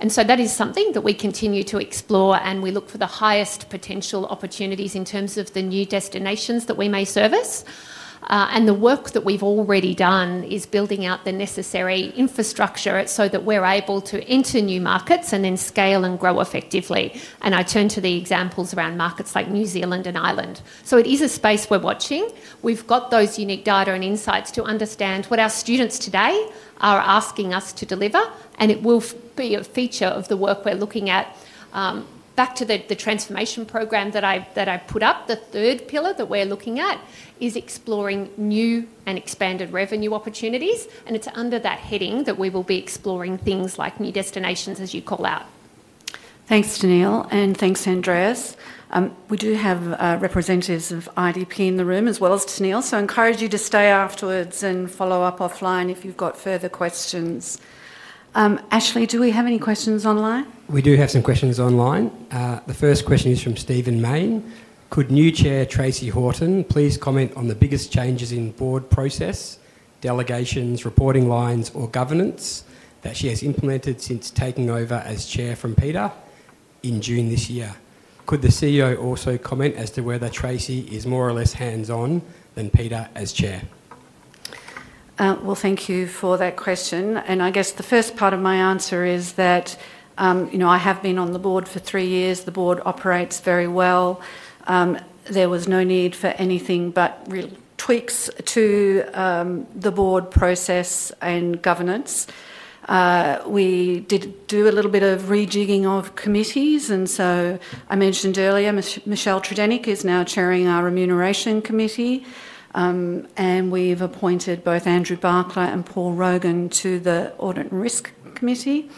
That is something that we continue to explore, and we look for the highest potential opportunities in terms of the new destinations that we may service. The work that we've already done is building out the necessary infrastructure so that we're able to enter new markets and then scale and grow effectively. I turn to the examples around markets like New Zealand and Ireland. It is a space we're watching. We've got those unique data and insights to understand what our students today are asking us to deliver, and it will be a feature of the work we're looking at. Back to the transformation program that I put up, the third pillar that we're looking at is exploring new and expanded revenue opportunities, and it's under that heading that we will be exploring things like new destinations, as you call out. Thanks, Tennealle, and thanks, Andreas. We do have representatives of IDP in the room as well as Tennealle, so I encourage you to stay afterwards and follow up offline if you've got further questions. Ashley, do we have any questions online? We do have some questions online. The first question is from Stephen Main. Could new Chair Tracey Horton please comment on the biggest changes in board process, delegations, reporting lines, or governance that she has implemented since taking over as Chair from Peter Polson in June this year? Could the CEO also comment as to whether Tracey is more or less hands-on than Peter as Chair? Thank you for that question. I guess the first part of my answer is that, you know, I have been on the board for three years. The board operates very well. There was no need for anything but real tweaks to the board process and governance. We did do a little bit of rejigging of committees, and I mentioned earlier, Michelle Tredenick is now chairing our Remuneration Committee, and we've appointed both Andrew Barkla and Paul Rogan to the Audit and Risk Committee.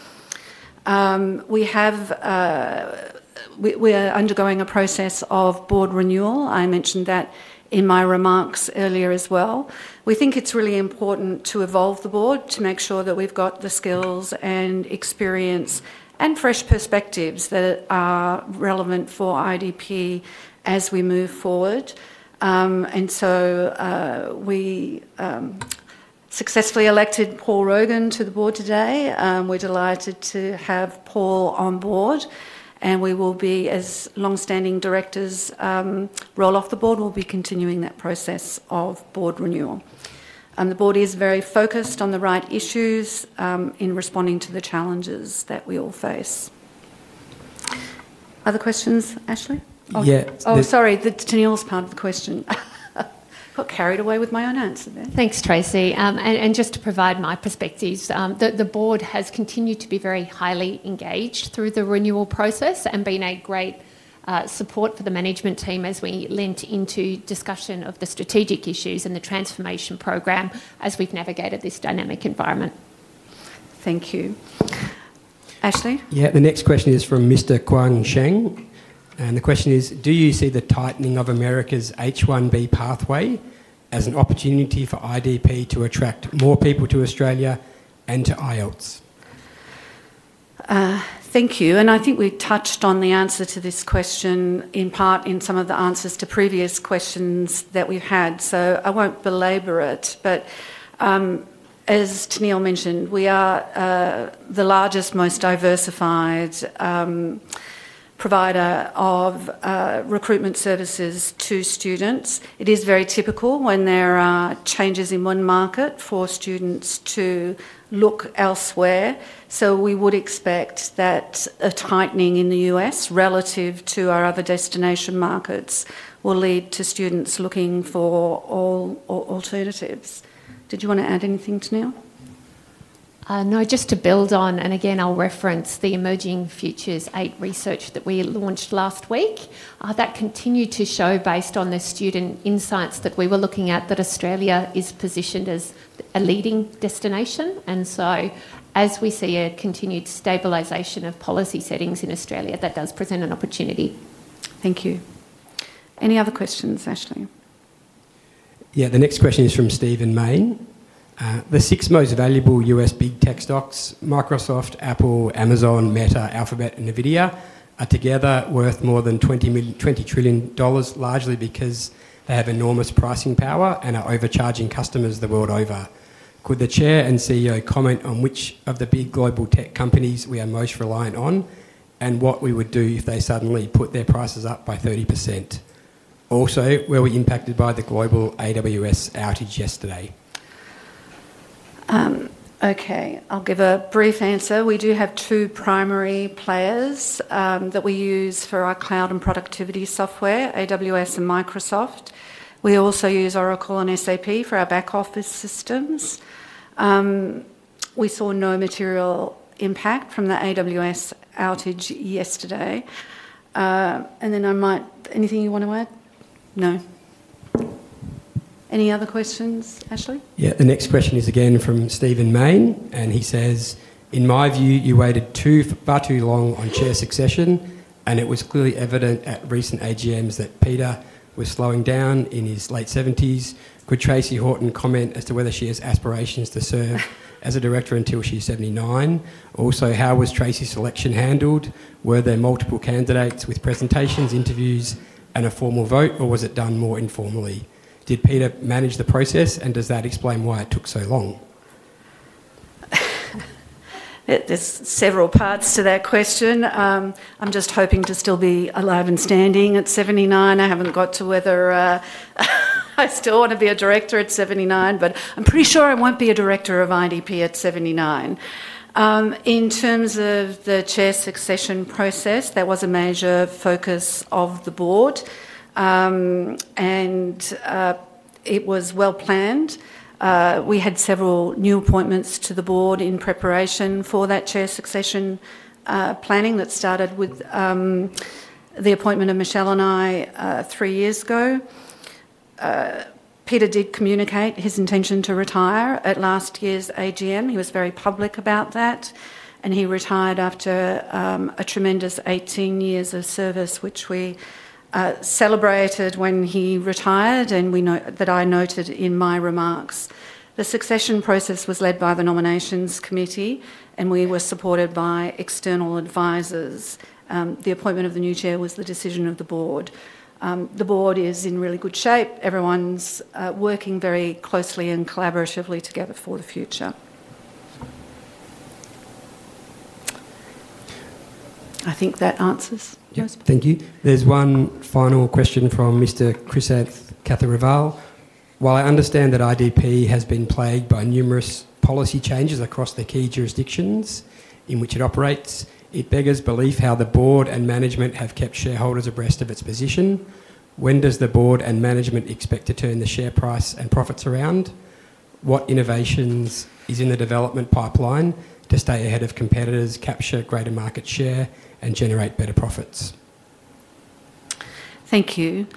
We are undergoing a process of board renewal. I mentioned that in my remarks earlier as well. We think it's really important to evolve the board to make sure that we've got the skills and experience and fresh perspectives that are relevant for IDP as we move forward. We successfully elected Paul Rogan to the board today. We're delighted to have Paul on board, and we will be, as long-standing directors roll off the board, continuing that process of board renewal. The board is very focused on the right issues in responding to the challenges that we all face. Other questions, Ashley? Yeah. Oh, sorry, Tennealle's part of the question. I got carried away with my own answer there. Thanks, Tracey. Just to provide my perspectives, the board has continued to be very highly engaged through the renewal process and has been a great support for the management team as we leant into discussion of the strategic issues and the transformation program as we've navigated this dynamic environment. Thank you. Ashley? Yeah, the next question is from Mr. Quang Sheng, and the question is, do you see the tightening of America's H-1B pathway as an opportunity for IDP to attract more people to Australia and to IELTS? Thank you. I think we touched on the answer to this question in part in some of the answers to previous questions that we've had, so I won't belabor it. As Tennealle mentioned, we are the largest, most diversified provider of recruitment services to students. It is very typical when there are changes in one market for students to look elsewhere. We would expect that a tightening in the U.S. relative to our other destination markets will lead to students looking for alternatives. Did you want to add anything, Tennealle? Just to build on, I'll reference the Emerging Futures eighth research that we launched last week. That continued to show, based on the student insights that we were looking at, that Australia is positioned as a leading destination. As we see a continued stabilization of policy settings in Australia, that does present an opportunity. Thank you. Any other questions, Ashley? Yeah, the next question is from Stephen Main. The six most valuable U.S. big tech stocks, Microsoft, Apple, Amazon, Meta, Alphabet, and NVIDIA, are together worth more than 20 trillion dollars, largely because they have enormous pricing power and are overcharging customers the world over. Could the Chair and CEO comment on which of the big global tech companies we are most reliant on and what we would do if they suddenly put their prices up by 30%? Also, were we impacted by the global AWS outage yesterday? Okay. I'll give a brief answer. We do have two primary players that we use for our cloud and productivity software, AWS and Microsoft. We also use Oracle and SAP for our back office systems. We saw no material impact from the AWS outage yesterday. Anything you want to add? No. Any other questions, Ashley? Yeah, the next question is again from Stephen Main, and he says, in my view, you waited far too long on Chair succession, and it was clearly evident at recent AGMs that Peter was slowing down in his late 70s. Could Tracey Horton comment as to whether she has aspirations to serve as a Director until she's 79? Also, how was Tracey's selection handled? Were there multiple candidates with presentations, interviews, and a formal vote, or was it done more informally? Did Peter manage the process, and does that explain why it took so long? There are several parts to that question. I'm just hoping to still be alive and standing at 79. I haven't got to whether I still want to be a director at 79, but I'm pretty sure I won't be a director of IDP at 79. In terms of the Chair succession process, that was a major focus of the board, and it was well planned. We had several new appointments to the board in preparation for that Chair succession planning that started with the appointment of Michelle and I three years ago. Peter did communicate his intention to retire at last year's AGM. He was very public about that, and he retired after a tremendous 18 years of service, which we celebrated when he retired, and we know that I noted in my remarks. The succession process was led by the Nominations Committee, and we were supported by external advisors. The appointment of the new Chair was the decision of the board. The board is in really good shape. Everyone's working very closely and collaboratively together for the future. I think that answers yours. Thank you. There's one final question from Mr. Chris at Katherine River. While I understand that IDP has been plagued by numerous policy changes across the key jurisdictions in which it operates, it beggars belief how the board and management have kept shareholders abreast of its position. When does the board and management expect to turn the share price and profits around? What innovations are in the development pipeline to stay ahead of competitors, capture greater market share, and generate better profits? Thank you.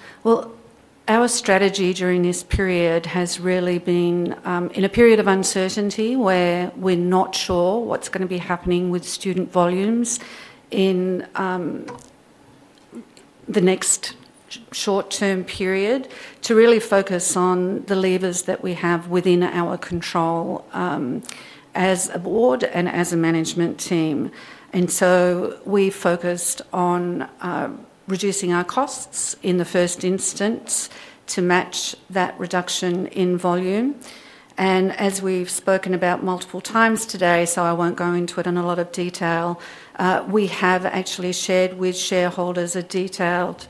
Our strategy during this period has really been in a period of uncertainty where we're not sure what's going to be happening with student volumes in the next short-term period to really focus on the levers that we have within our control as a board and as a management team. We focused on reducing our costs in the first instance to match that reduction in volume. As we've spoken about multiple times today, so I won't go into it in a lot of detail, we have actually shared with shareholders a detailed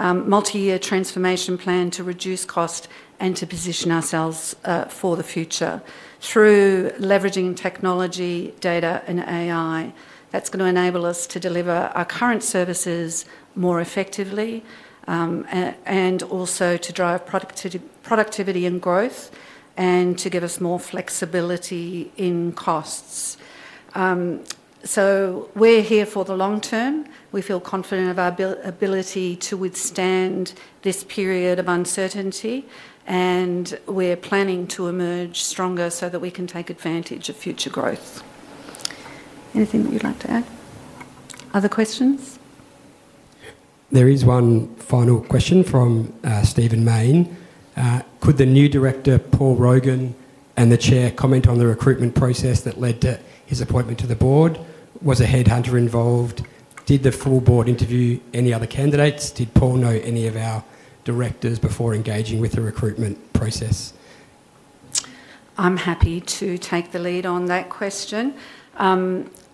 multi-year transformation plan to reduce cost and to position ourselves for the future through leveraging technology, data, and AI. That's going to enable us to deliver our current services more effectively and also to drive productivity and growth and to give us more flexibility in costs. We are here for the long term. We feel confident of our ability to withstand this period of uncertainty, and we're planning to emerge stronger so that we can take advantage of future growth. Anything that you'd like to add? Other questions? There is one final question from Stephen Main. Could the new director, Paul Rogan, and the Chair comment on the recruitment process that led to his appointment to the board? Was a headhunter involved? Did the full board interview any other candidates? Did Paul know any of our directors before engaging with the recruitment process? I'm happy to take the lead on that question.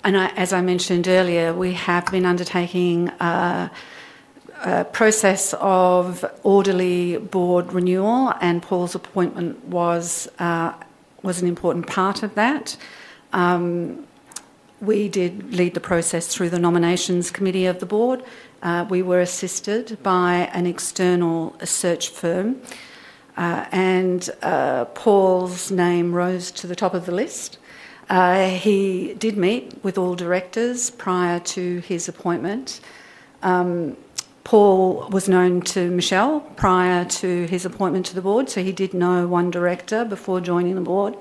As I mentioned earlier, we have been undertaking a process of orderly board renewal, and Paul's appointment was an important part of that. We did lead the process through the Nominations Committee of the board. We were assisted by an external search firm, and Paul's name rose to the top of the list. He did meet with all directors prior to his appointment. Paul was known to Michelle prior to his appointment to the board, so he did know one director before joining the board.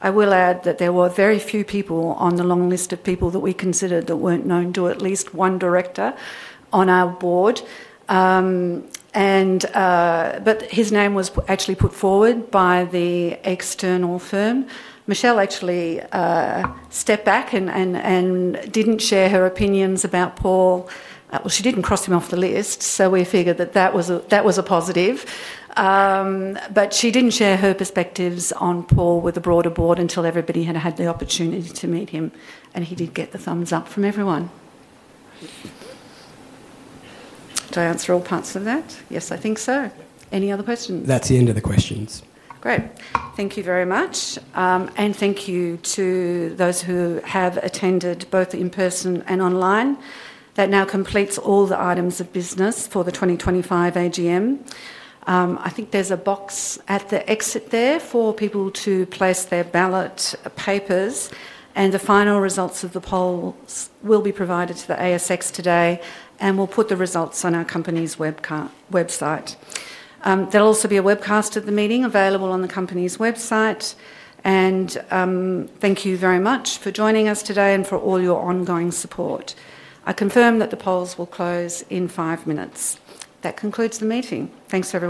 I will add that there were very few people on the long list of people that we considered that weren't known to at least one director on our board. His name was actually put forward by the external firm. Michelle actually stepped back and didn't share her opinions about Paul. She didn't cross him off the list, so we figured that was a positive. She didn't share her perspectives on Paul with the broader board until everybody had had the opportunity to meet him, and he did get the thumbs up from everyone. Did I answer all parts of that? Yes, I think so. Any other questions? That's the end of the questions. Great. Thank you very much. Thank you to those who have attended both in person and online. That now completes all the items of business for the 2025 AGM. I think there's a box at the exit there for people to place their ballot papers, and the final results of the polls will be provided to the ASX today. We'll put the results on our company's website. There will also be a webcast of the meeting available on the company's website. Thank you very much for joining us today and for all your ongoing support. I confirm that the polls will close in five minutes. That concludes the meeting. Thanks very much.